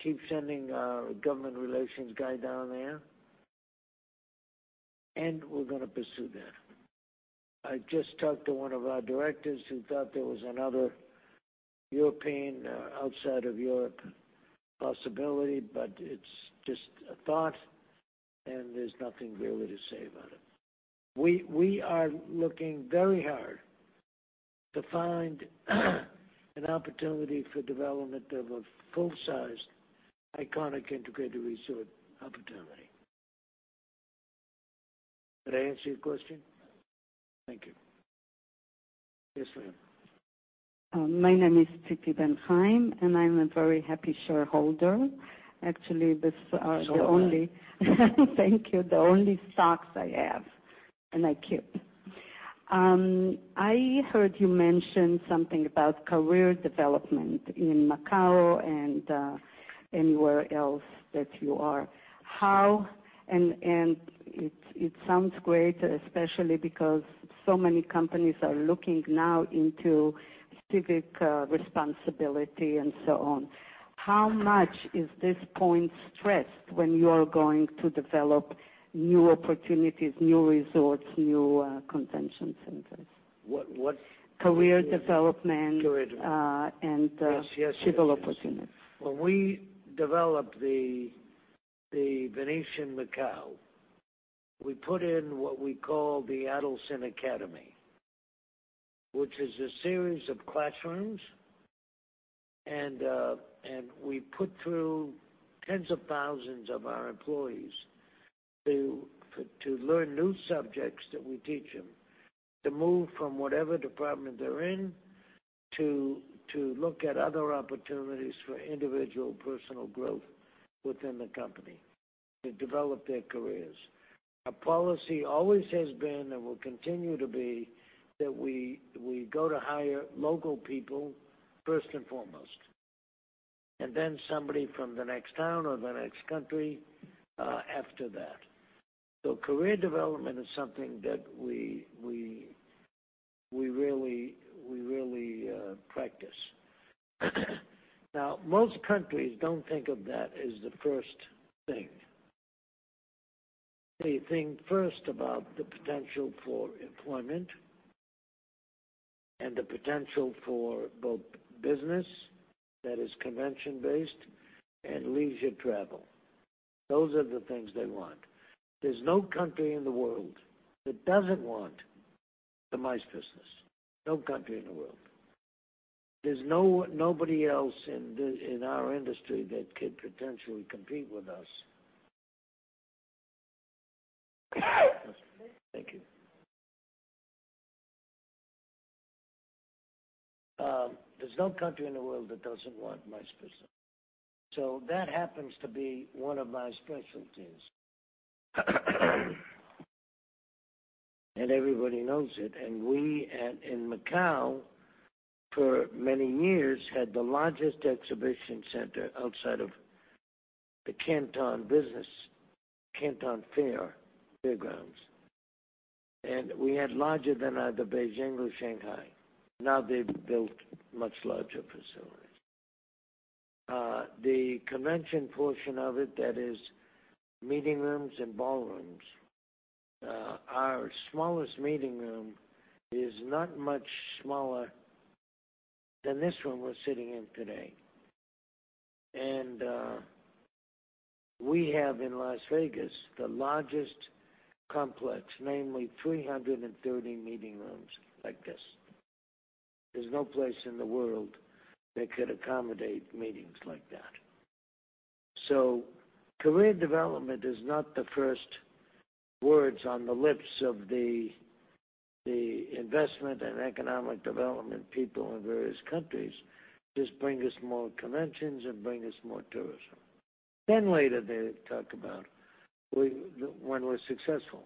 keep sending our government relations guy down there, we're going to pursue that. I just talked to one of our directors who thought there was another European, outside of Europe possibility, it's just a thought, and there's nothing really to say about it. We are looking very hard to find an opportunity for development of a full-sized, iconic integrated resort opportunity. Did I answer your question? Thank you. Yes, ma'am. My name is Tsipi Ben-Haim. I'm a very happy shareholder. Actually, these are the only. Sure are. Thank you. The only stocks I have, and I keep. I heard you mention something about career development in Macao and anywhere else that you are. It sounds great, especially because so many companies are looking now into civic responsibility and so on. How much is this point stressed when you are going to develop new opportunities, new resorts, new convention centers? What? Career development. Career development Civil opportunities. Yes. When we developed The Venetian Macao, we put in what we call the Adelson Academy, which is a series of classrooms. We put through tens of thousands of our employees to learn new subjects that we teach them to move from whatever department they're in to look at other opportunities for individual personal growth within the company to develop their careers. Our policy always has been and will continue to be that we go to hire local people first and foremost, then somebody from the next town or the next country after that. Career development is something that we really practice. Most countries don't think of that as the first thing. They think first about the potential for employment and the potential for both business that is convention-based and leisure travel. Those are the things they want. There's no country in the world that doesn't want the MICE business. No country in the world. There's nobody else in our industry that could potentially compete with us. Thank you. There's no country in the world that doesn't want MICE business. That happens to be one of my specialties, and everybody knows it. We, in Macao for many years, had the largest exhibition center outside of the Canton business, Canton Fair grounds. We had larger than either Beijing or Shanghai. They've built much larger facilities. The convention portion of it, that is meeting rooms and ballrooms. Our smallest meeting room is not much smaller than this one we're sitting in today. We have in Las Vegas, the largest complex, namely 330 meeting rooms like this. There's no place in the world that could accommodate meetings like that. Career development is not the first words on the lips of the investment and economic development people in various countries. Just bring us more conventions and bring us more tourism. Later they talk about when we're successful,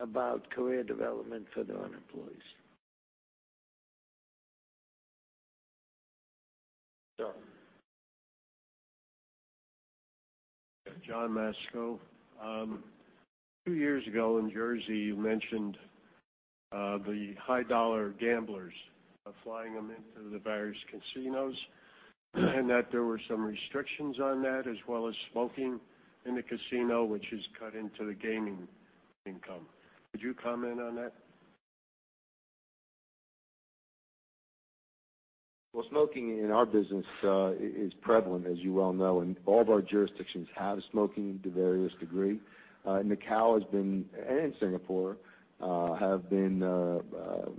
about career development for their own employees. John Masco. Two years ago in Jersey, you mentioned the high-dollar gamblers, of flying them into the various casinos and that there were some restrictions on that, as well as smoking in the casino, which has cut into the gaming income. Could you comment on that? Smoking in our business is prevalent, as you well know, and all of our jurisdictions have smoking to various degree. Macao and Singapore have been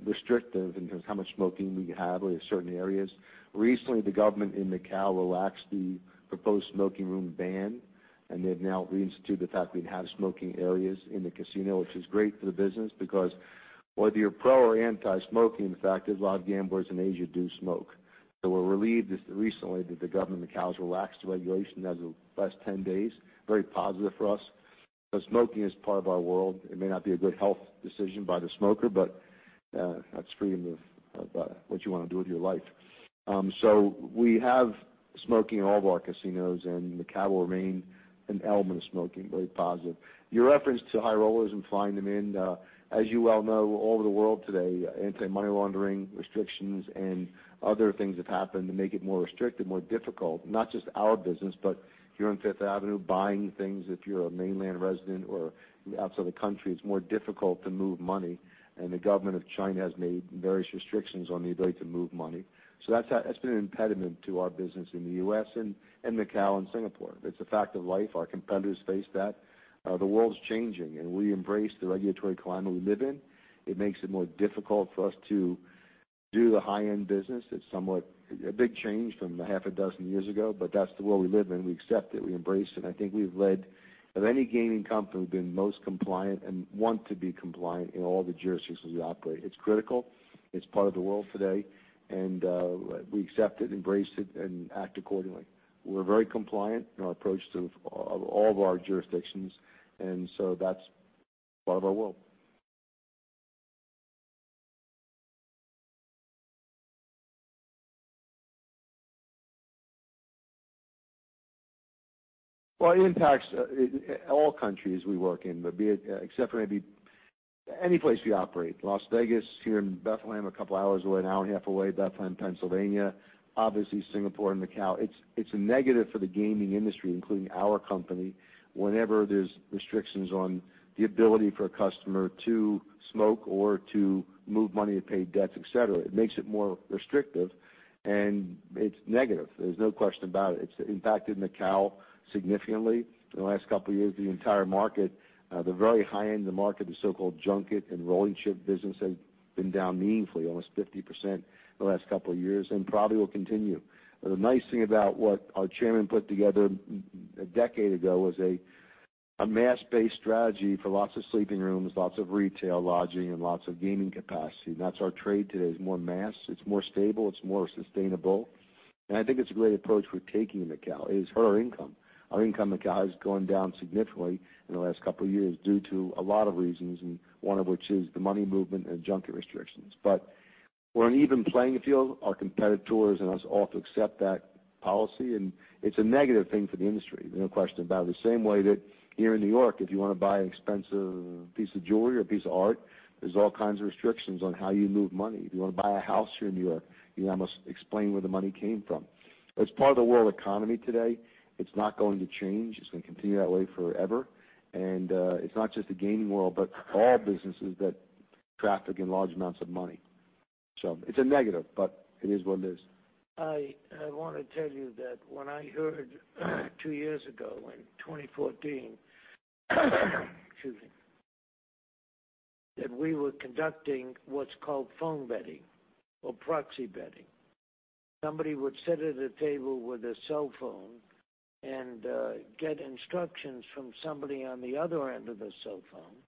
restrictive in terms of how much smoking we have in certain areas. Recently, the government in Macao relaxed the proposed smoking room ban, and they've now reinstituted the fact we can have smoking areas in the casino, which is great for the business because whether you're pro or anti-smoking, the fact is, a lot of gamblers in Asia do smoke. We're relieved recently that the government of Macao has relaxed the regulation as of the last 10 days. Very positive for us. Smoking is part of our world. It may not be a good health decision by the smoker, but that's freedom of what you want to do with your life. We have smoking in all of our casinos, and Macao will remain an element of smoking, very positive. Your reference to high rollers and flying them in, as you well know, all over the world today, anti-money laundering restrictions and other things have happened to make it more restricted, more difficult. Not just our business, but if you're on Fifth Avenue buying things, if you're a mainland resident or outside the country, it's more difficult to move money, and the government of China has made various restrictions on the ability to move money. That's been an impediment to our business in the U.S. and Macao and Singapore. It's a fact of life. Our competitors face that. The world's changing, and we embrace the regulatory climate we live in. It makes it more difficult for us to do the high-end business. It's somewhat a big change from six years ago. That's the world we live in. We accept it. We embrace it. I think we've led, of any gaming company, we've been most compliant and want to be compliant in all the jurisdictions we operate. It's critical. It's part of the world today. We accept it, embrace it, and act accordingly. We're very compliant in our approach to all of our jurisdictions. That's part of our world. Well, it impacts all countries we work in, except for maybe any place we operate. Las Vegas, here in Bethlehem, two hours away, one and a half hours away, Bethlehem, Pennsylvania. Obviously, Singapore and Macao. It's a negative for the gaming industry, including our company, whenever there's restrictions on the ability for a customer to smoke or to move money to pay debts, et cetera. It makes it more restrictive. It's negative. There's no question about it. It's impacted Macao significantly. In the last two years, the entire market, the very high end of the market, the so-called junket and rolling chip business, has been down meaningfully, almost 50% in the last two years. Probably will continue. The nice thing about what our chairman put together a decade ago was a mass-based strategy for lots of sleeping rooms, lots of retail, lodging, and lots of gaming capacity. That's our trade today, is more mass. It's more stable. It's more sustainable. I think it's a great approach we're taking in Macao. It has hurt our income. Our income in Macao has gone down significantly in the last two years due to a lot of reasons. One of which is the money movement and junket restrictions. We're on an even playing field. Our competitors and us all have to accept that policy. It's a negative thing for the industry, no question about it. The same way that here in New York, if you want to buy an expensive piece of jewelry or piece of art, there's all kinds of restrictions on how you move money. If you want to buy a house here in New York, you almost explain where the money came from. It's part of the world economy today. It's not going to change. It's going to continue that way forever. It's not just the gaming world, but all businesses that traffic in large amounts of money. It's a negative, but it is what it is. I want to tell you that when I heard two years ago in 2014 excuse me, that we were conducting what's called phone betting or proxy betting. Somebody would sit at a table with a cell phone and get instructions from somebody on the other end of the cell phone.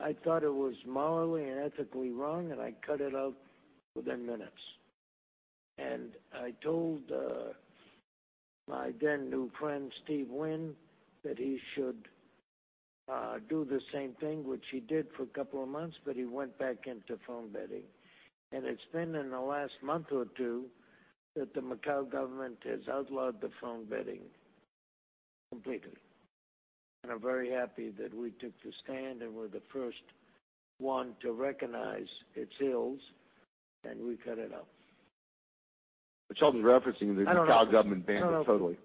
I thought it was morally and ethically wrong. I cut it out within minutes. I told my then new friend, Steve Wynn, that he should do the same thing, which he did for two months. He went back into phone betting. It's been in the last month or two that the Macao government has outlawed the phone betting completely. I'm very happy that we took the stand and were the first one to recognize its ills. We cut it out. What Sheldon's referencing is I don't have to The Macao government banned it totally.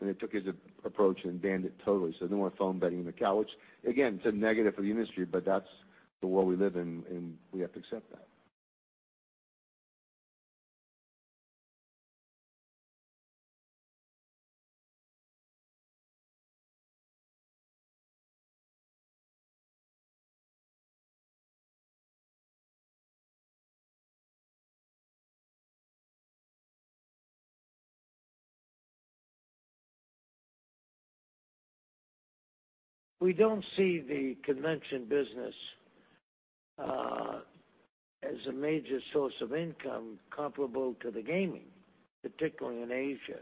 They took his approach and banned it totally, no more phone betting in Macao. Which, again, it's a negative for the industry, that's the world we live in, we have to accept that. We don't see the convention business as a major source of income comparable to the gaming, particularly in Asia.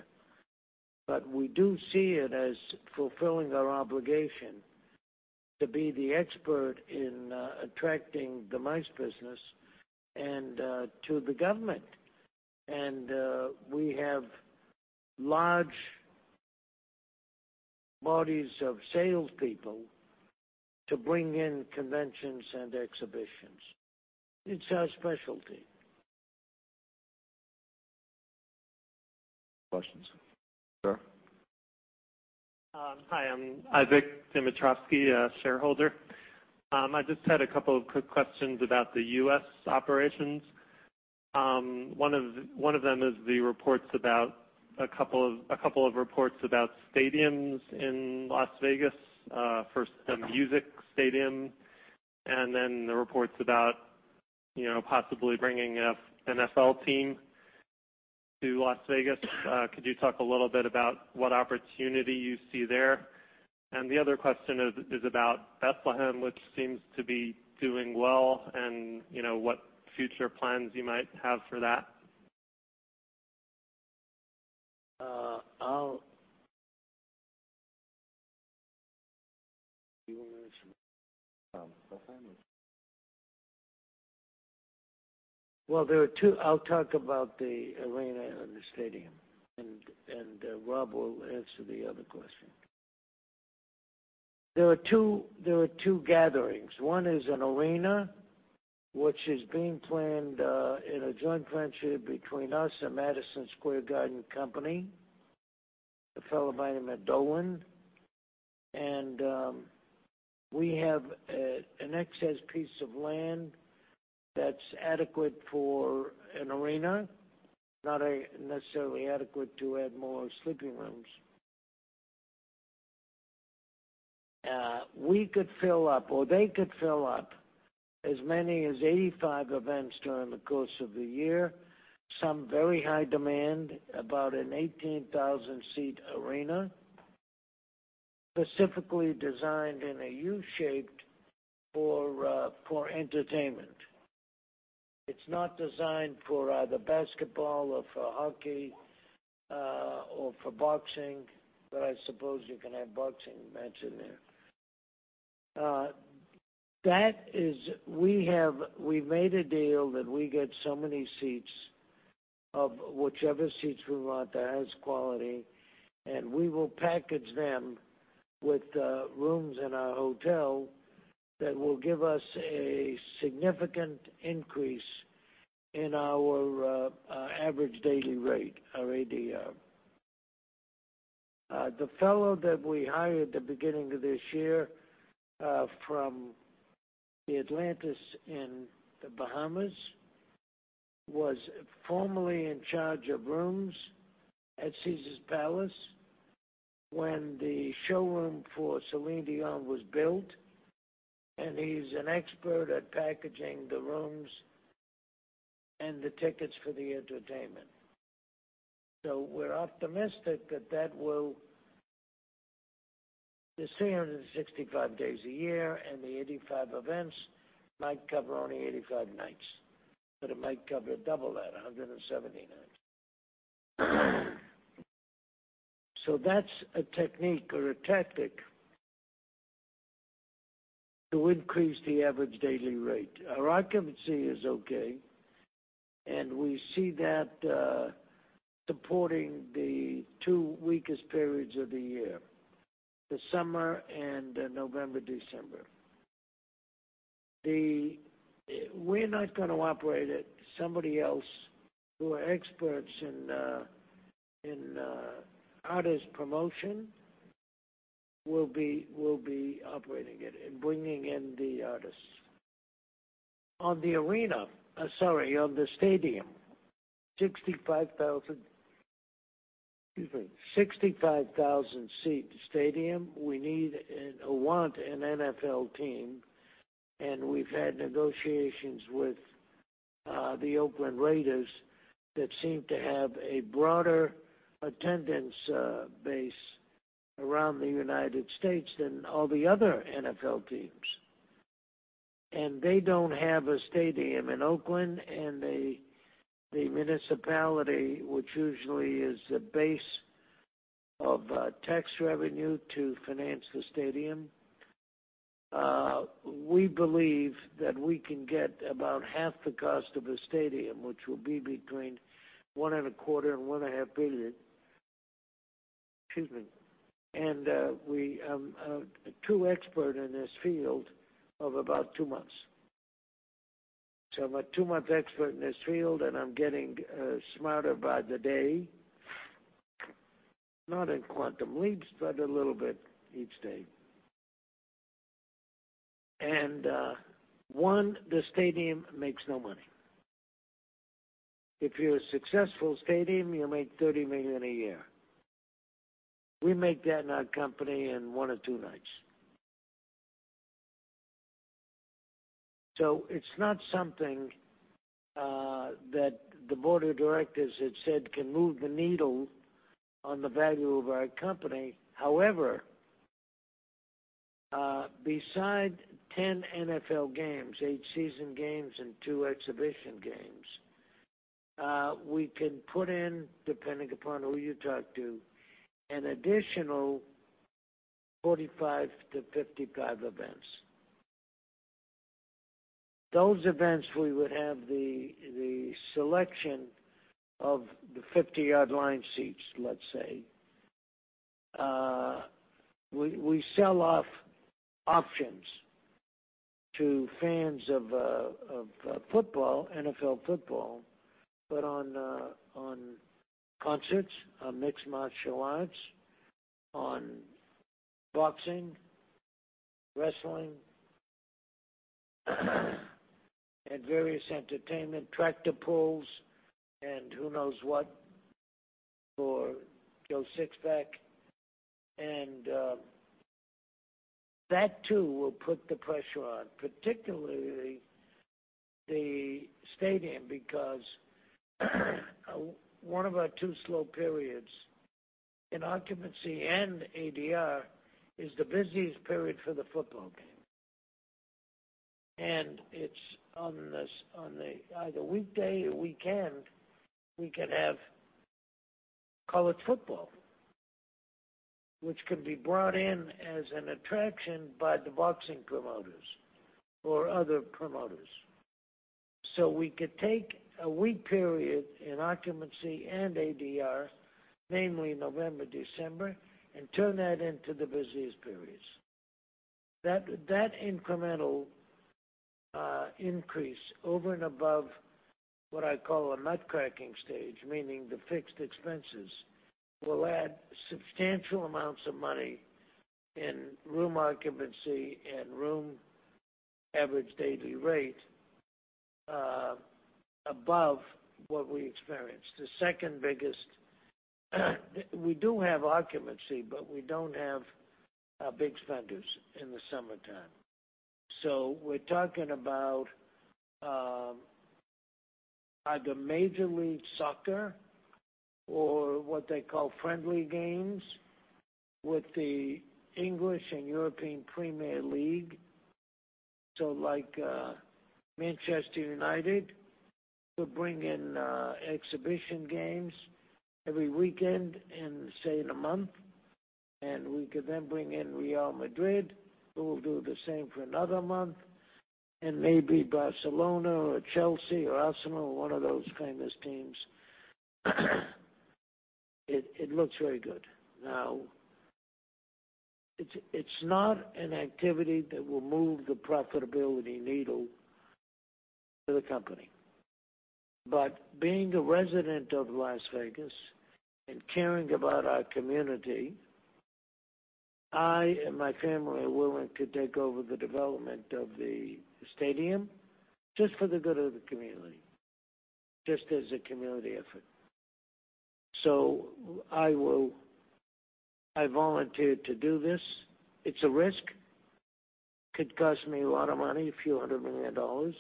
We do see it as fulfilling our obligation To be the expert in attracting the MICE business and to the government. We have large bodies of salespeople to bring in conventions and exhibitions. It's our specialty. Questions. Sir? Hi, I'm Isaac Dimitrovsky, a shareholder. I just had a couple of quick questions about the U.S. operations. One of them is the reports about a couple of reports about stadiums in Las Vegas, first a music stadium, then the reports about possibly bringing an NFL team to Las Vegas. Could you talk a little bit about what opportunity you see there? The other question is about Bethlehem, which seems to be doing well, and what future plans you might have for that. I'll You want to answer? Bethlehem. Well, there are two. I'll talk about the arena and the stadium, Rob will answer the other question. There were two gatherings. One is an arena, which is being planned in a joint venture between us and Madison Square Garden Entertainment Corp., a fellow by the name of Dolan. We have an excess piece of land that's adequate for an arena, not necessarily adequate to add more sleeping rooms. We could fill up, or they could fill up as many as 85 events during the course of the year. Some very high demand, about an 18,000-seat arena, specifically designed in a U-shape for entertainment. It's not designed for either basketball or for hockey or for boxing, but I suppose you can have a boxing match in there. We made a deal that we get so many seats of whichever seats we want that has quality, and we will package them with rooms in our hotel that will give us a significant increase in our average daily rate, our ADR. The fellow that we hired at the beginning of this year from the Atlantis in the Bahamas was formerly in charge of rooms at Caesars Palace when the showroom for Celine Dion was built, and he's an expert at packaging the rooms and the tickets for the entertainment. We're optimistic that that will There's 365 days a year, and the 85 events might cover only 85 nights, but it might cover double that, 170 nights. That's a technique or a tactic to increase the average daily rate. Our occupancy is okay, and we see that supporting the two weakest periods of the year: the summer and November, December. We're not going to operate it. Somebody else who are experts in artist promotion will be operating it and bringing in the artists. On the arena, sorry, on the stadium, 65,000-seat stadium, we need and want an NFL team, and we've had negotiations with the Oakland Raiders that seem to have a broader attendance base around the U.S. than all the other NFL teams. They don't have a stadium in Oakland and the municipality, which usually is the base of tax revenue to finance the stadium. We believe that we can get about half the cost of the stadium, which will be between $1.25 billion and $1.5 billion. Excuse me. I'm a two expert in this field of about two months. I'm a two-month expert in this field, and I'm getting smarter by the day, not in quantum leaps, but a little bit each day. One, the stadium makes no money. If you're a successful stadium, you make $30 million a year. We make that in our company in one or two nights. It's not something that the board of directors had said can move the needle on the value of our company. However, beside 10 NFL games, eight season games and two exhibition games. We can put in, depending upon who you talk to, an additional 45 to 55 events. Those events, we would have the selection of the 50-yard line seats, let's say. We sell off options to fans of NFL football, but on concerts, on mixed martial arts, on boxing, wrestling, and various entertainment, tractor pulls, and who knows what for Joe Sixpack. That too will put the pressure on, particularly the stadium, because one of our two slow periods in occupancy and ADR is the busiest period for the football game. It's on either weekday or weekend, we can have college football, which can be brought in as an attraction by the boxing promoters or other promoters. We could take a weak period in occupancy and ADR, mainly November, December, and turn that into the busiest periods. That incremental increase over and above what I call a nut-cracking stage, meaning the fixed expenses, will add substantial amounts of money in room occupancy and room average daily rate above what we experience. The second biggest, we do have occupancy, but we don't have big spenders in the summertime. We're talking about either Major League Soccer or what they call friendly games with the English and European Premier League. Like Manchester United would bring in exhibition games every weekend in, say, in a month, and we could then bring in Real Madrid, who will do the same for another month, and maybe Barcelona or Chelsea or Arsenal or one of those famous teams. It looks very good. It's not an activity that will move the profitability needle for the company. Being a resident of Las Vegas and caring about our community, I and my family are willing to take over the development of the stadium just for the good of the community, just as a community effort. I volunteered to do this. It's a risk. Could cost me a lot of money, a few hundred million dollars.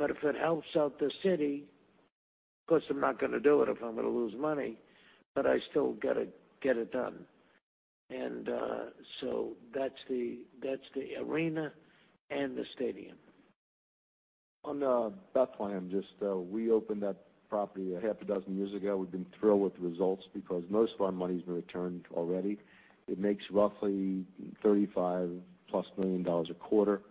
If it helps out the city, of course, I'm not going to do it if I'm going to lose money, but I still got to get it done. That's the arena and the stadium. On the Bethlehem, just we opened that property a half a dozen years ago. We've been thrilled with the results because most of our money's been returned already. It makes roughly $35+ million a quarter.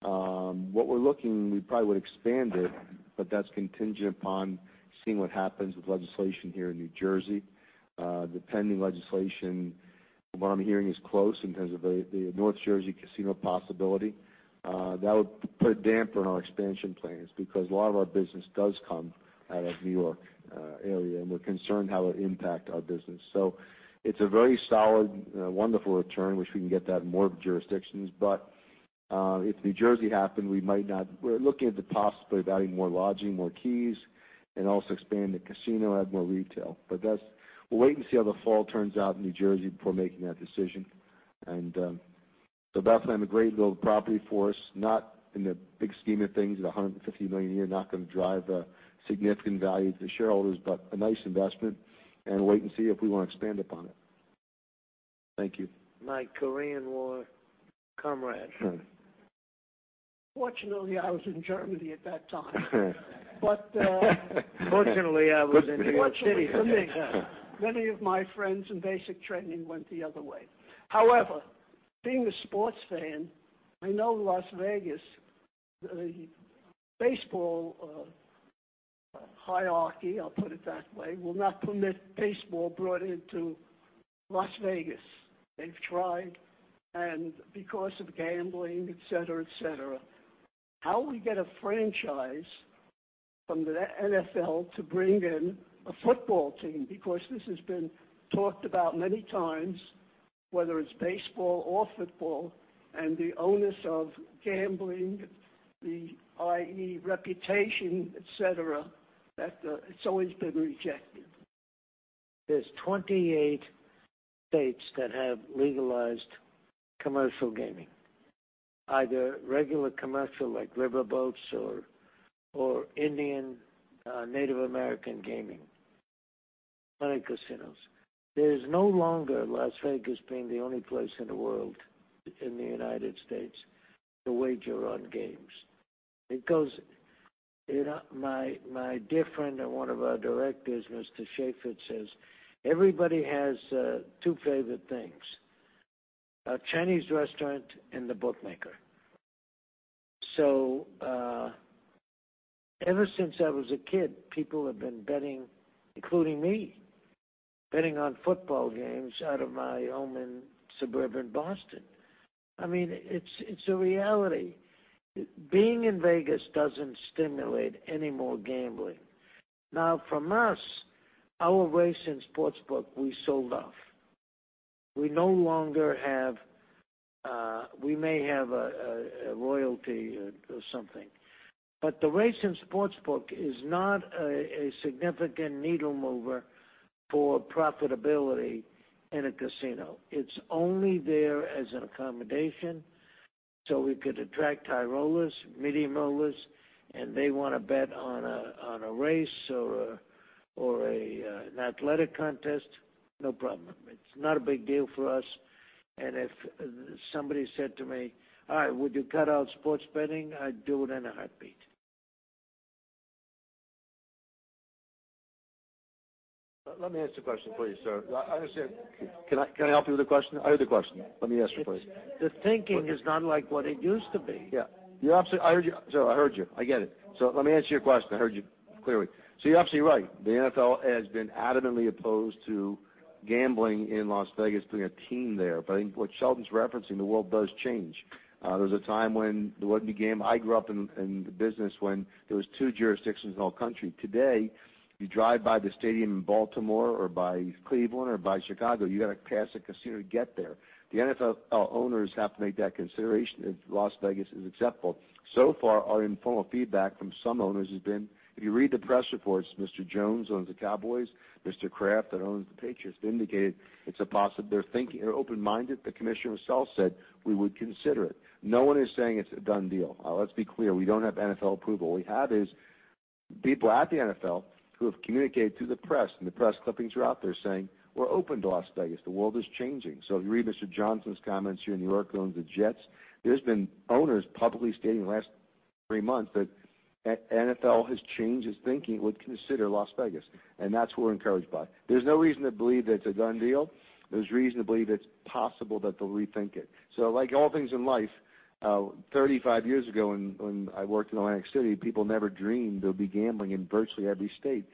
What we're looking, we probably would expand it, but that's contingent upon seeing what happens with legislation here in New Jersey. The pending legislation, from what I'm hearing, is close in terms of the North Jersey casino possibility. That would put a damper on our expansion plans because a lot of our business does come out of New York area, and we're concerned how it'll impact our business. It's a very solid, wonderful return, which we can get that in more jurisdictions. If New Jersey happened, we might not. We're looking at the possibility of adding more lodging, more keys, and also expand the casino, add more retail. We'll wait and see how the fall turns out in New Jersey before making that decision. Bethlehem, a great little property for us, not in the big scheme of things. At $150 million a year, not going to drive a significant value to shareholders, but a nice investment and wait and see if we want to expand upon it. Thank you. My Korean War comrade. Fortunately, I was in Germany at that time. Fortunately, I was in New York City. Fortunately for me, many of my friends in basic training went the other way. However, being a sports fan, I know Las Vegas, the baseball hierarchy, I'll put it that way, will not permit baseball brought into Las Vegas. They've tried, because of gambling, et cetera. How we get a franchise from the NFL to bring in a football team, because this has been talked about many times, whether it's baseball or football, and the onus of gambling, the i.e. reputation, et cetera, that it's always been rejected. There's 28 states that have legalized commercial gaming, either regular commercial like riverboats or Indian Native American gaming on casinos. There is no longer Las Vegas being the only place in the world, in the U.S., to wager on games. My dear friend and one of our directors, Mr. Schaefer, says, "Everybody has two favorite things, a Chinese restaurant and the bookmaker." Ever since I was a kid, people have been betting, including me, betting on football games out of my home in suburban Boston. It's a reality. Being in Vegas doesn't stimulate any more gambling. From us, our race and sportsbook we sold off. We may have a royalty or something. The race and sportsbook is not a significant needle mover for profitability in a casino. It's only there as an accommodation so we could attract high rollers, medium rollers, and they want to bet on a race or an athletic contest, no problem. It's not a big deal for us. If somebody said to me, "All right, would you cut out sports betting?" I'd do it in a heartbeat. Let me ask the question, please, sir. Can I help you with the question? I heard the question. Let me ask you, please. The thinking is not like what it used to be. Yeah. I heard you. Sir, I heard you. I get it. Let me answer your question. I heard you clearly. You're absolutely right. The NFL has been adamantly opposed to gambling in Las Vegas, putting a team there. I think what Sheldon's referencing, the world does change. There was a time when there wasn't a game. I grew up in the business when there was two jurisdictions in the whole country. Today, you drive by the stadium in Baltimore or by Cleveland or by Chicago, you've got to pass a casino to get there. The NFL owners have to make that consideration if Las Vegas is acceptable. Far, our informal feedback from some owners has been, if you read the press reports, Mr. Jones owns the Cowboys, Mr. Kraft that owns the Patriots, they indicated they're thinking or open-minded. The commissioner himself said, "We would consider it." No one is saying it's a done deal. Let's be clear. We don't have NFL approval. What we have is people at the NFL who have communicated to the press, and the press clippings are out there saying, "We're open to Las Vegas. The world is changing." If you read Mr. Johnson's comments here in New York, who owns the Jets, there's been owners publicly stating in the last three months that NFL has changed its thinking. It would consider Las Vegas. That's what we're encouraged by. There's no reason to believe that it's a done deal. There's reason to believe it's possible that they'll rethink it. Like all things in life, 35 years ago, when I worked in Atlantic City, people never dreamed they'd be gambling in virtually every state.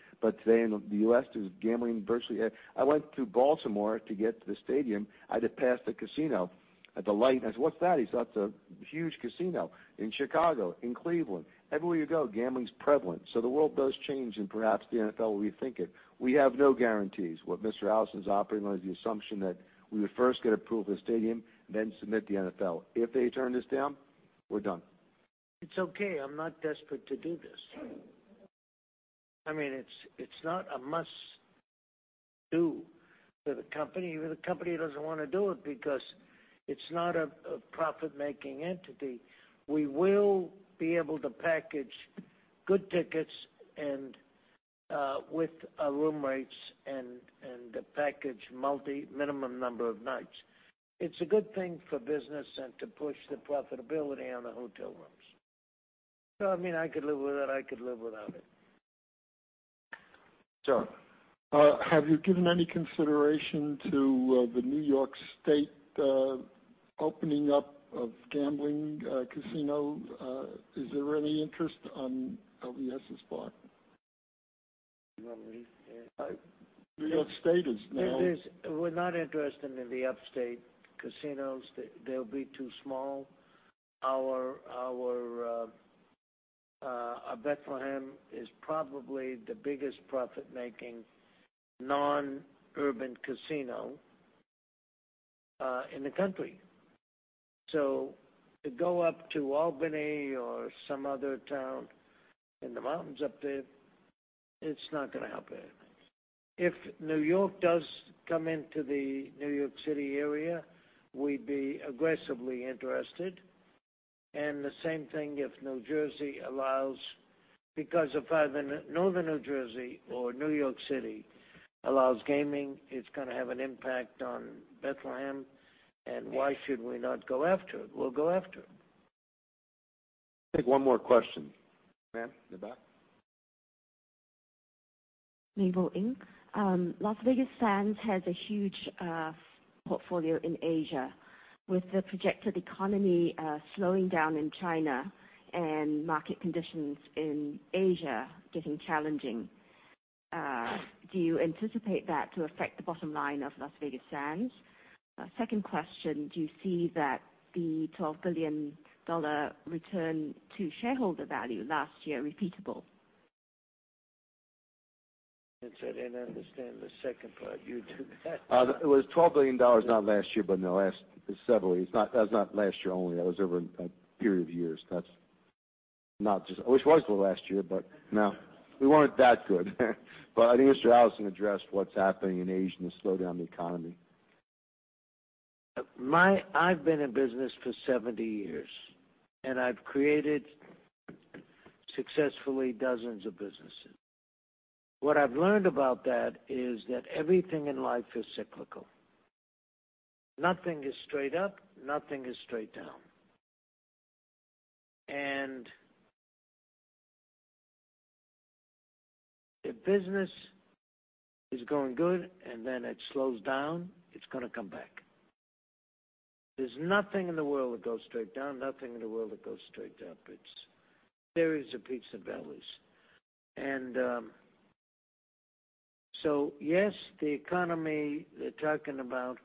Today in the U.S., there's gambling virtually. I went through Baltimore to get to the stadium. I had to pass the casino at the light. I said, "What's that?" He said, "That's a huge casino." In Chicago, in Cleveland, everywhere you go, gambling is prevalent. The world does change, and perhaps the NFL will rethink it. We have no guarantees. What Mr. Adelson is operating on is the assumption that we would first get approval of the stadium, then submit to the NFL. If they turn this down, we're done. It's okay. I'm not desperate to do this. It's not a must-do for the company. The company doesn't want to do it because it's not a profit-making entity. We will be able to package good tickets and with room rates and package multi minimum number of nights. It's a good thing for business and to push the profitability on the hotel rooms. I could live with it. I could live without it. John. Have you given any consideration to the New York State opening up of gambling casino? Is there any interest on LVS's part? You want me? New York State is now. We're not interested in the upstate casinos. They'll be too small. Our Bethlehem is probably the biggest profit-making non-urban casino in the country. To go up to Albany or some other town in the mountains up there, it's not going to help it. If New York does come into the New York City area, we'd be aggressively interested, and the same thing if New Jersey allows, because if northern New Jersey or New York City allows gaming, it's going to have an impact on Bethlehem, and why should we not go after it? We'll go after it. Take one more question. Ma'am, in the back. Mabel Ng. Las Vegas Sands has a huge portfolio in Asia. With the projected economy slowing down in China and market conditions in Asia getting challenging, do you anticipate that to affect the bottom line of Las Vegas Sands? Second question, do you see that the $12 billion return to shareholder value last year repeatable? I didn't understand the second part. You do that. It was $12 billion, not last year, but in the last several years. That was not last year only. That was over a period of years. I wish it was the last year, but no, we weren't that good. I think Sheldon Adelson addressed what's happening in Asia and the slowdown in the economy I've been in business for 70 years. I've created, successfully, dozens of businesses. What I've learned about that is that everything in life is cyclical. Nothing is straight up, nothing is straight down. If business is going good and then it slows down, it's going to come back. There's nothing in the world that goes straight down, nothing in the world that goes straight up. There is the peaks and valleys. Yes, the economy they're talking about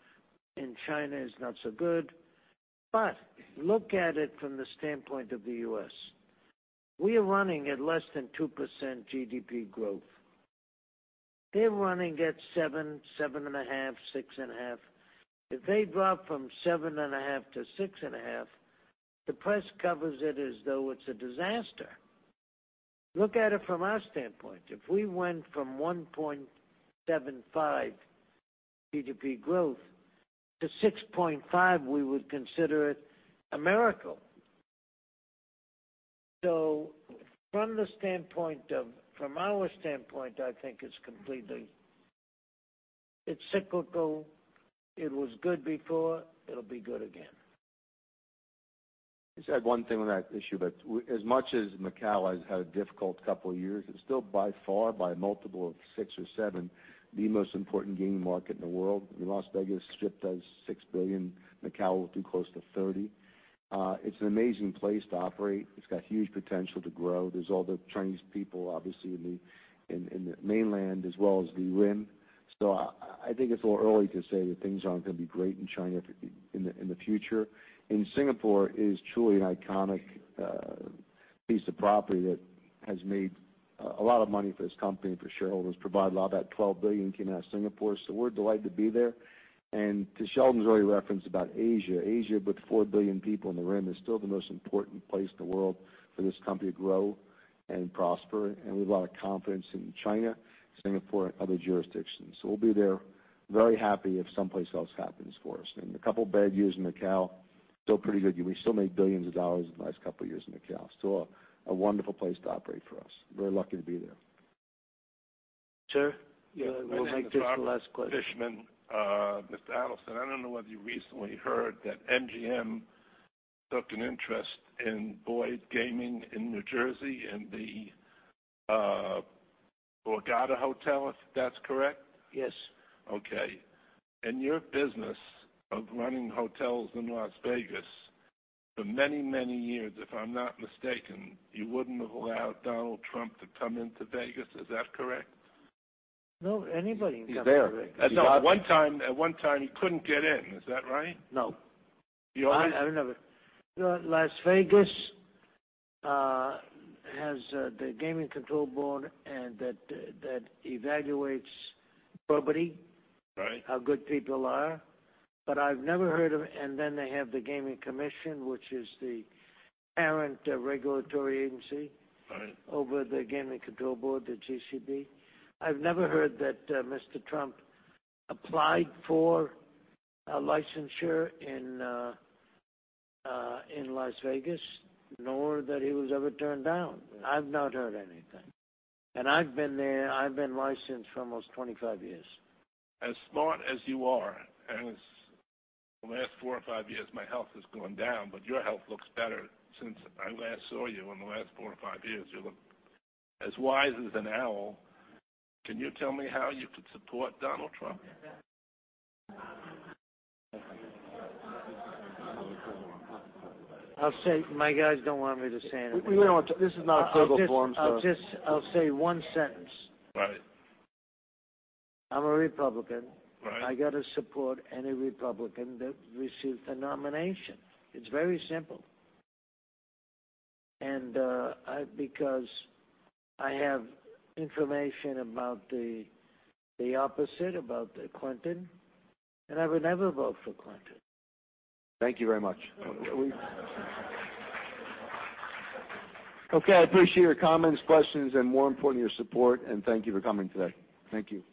in China is not so good. Look at it from the standpoint of the U.S. We are running at less than 2% GDP growth. They're running at 7.5, 6.5. If they drop from 7.5 to 6.5, the press covers it as though it's a disaster. Look at it from our standpoint. If we went from 1.75 GDP growth to 6.5, we would consider it a miracle. From our standpoint, I think it's cyclical. It was good before. It'll be good again. Just add one thing on that issue, that as much as Macao has had a difficult couple of years, it's still by far, by a multiple of six or seven, the most important gaming market in the world. The Las Vegas Strip does $6 billion. Macao will do close to 30. It's an amazing place to operate. It's got huge potential to grow. There's all the Chinese people, obviously, in the mainland as well as the Macao. I think it's a little early to say that things aren't going to be great in China in the future. Singapore is truly an iconic piece of property that has made a lot of money for this company and for shareholders. Probably a lot of that $12 billion came out of Singapore, so we're delighted to be there. To Sheldon's early reference about Asia, with 4 billion people in Macao, is still the most important place in the world for this company to grow and prosper. We have a lot of confidence in China, Singapore, and other jurisdictions. We'll be there, very happy if someplace else happens for us. A couple of bad years in Macao, still pretty good. We still made billions of dollars in the last couple of years in Macao. Still a wonderful place to operate for us. We're lucky to be there. Sir? Yeah. We'll make this the last question. Fishman. Mr. Adelson, I don't know whether you recently heard that MGM took an interest in Boyd Gaming in New Jersey, in the Borgata Hotel, if that's correct? Yes. Okay. In your business of running hotels in Las Vegas, for many, many years, if I'm not mistaken, you wouldn't have allowed Donald Trump to come into Vegas. Is that correct? No, anybody can come to Vegas. He's there. At one time, he couldn't get in. Is that right? No. You always- I never Las Vegas has the Gaming Control Board that evaluates property. Right how good people are. I've never heard of. They have the Gaming Commission, which is the parent regulatory agency. Right over the Gaming Control Board, the GCB. I've never heard that Mr. Trump applied for a licensure in Las Vegas, nor that he was ever turned down. I've not heard anything. I've been there, I've been licensed for almost 25 years. As smart as you are, and as the last four or five years, my health has gone down, but your health looks better since I last saw you in the last four or five years. You look as wise as an owl. Can you tell me how you could support Donald Trump? I'll say my guys don't want me to say anything. We don't want to. This is not a political forum, sir. I'll say one sentence. Right. I'm a Republican. Right. I got to support any Republican that receives the nomination. It's very simple. Because I have information about the opposite, about Clinton, I would never vote for Clinton. Thank you very much. Okay. I appreciate your comments, questions, and more importantly, your support, and thank you for coming today. Thank you.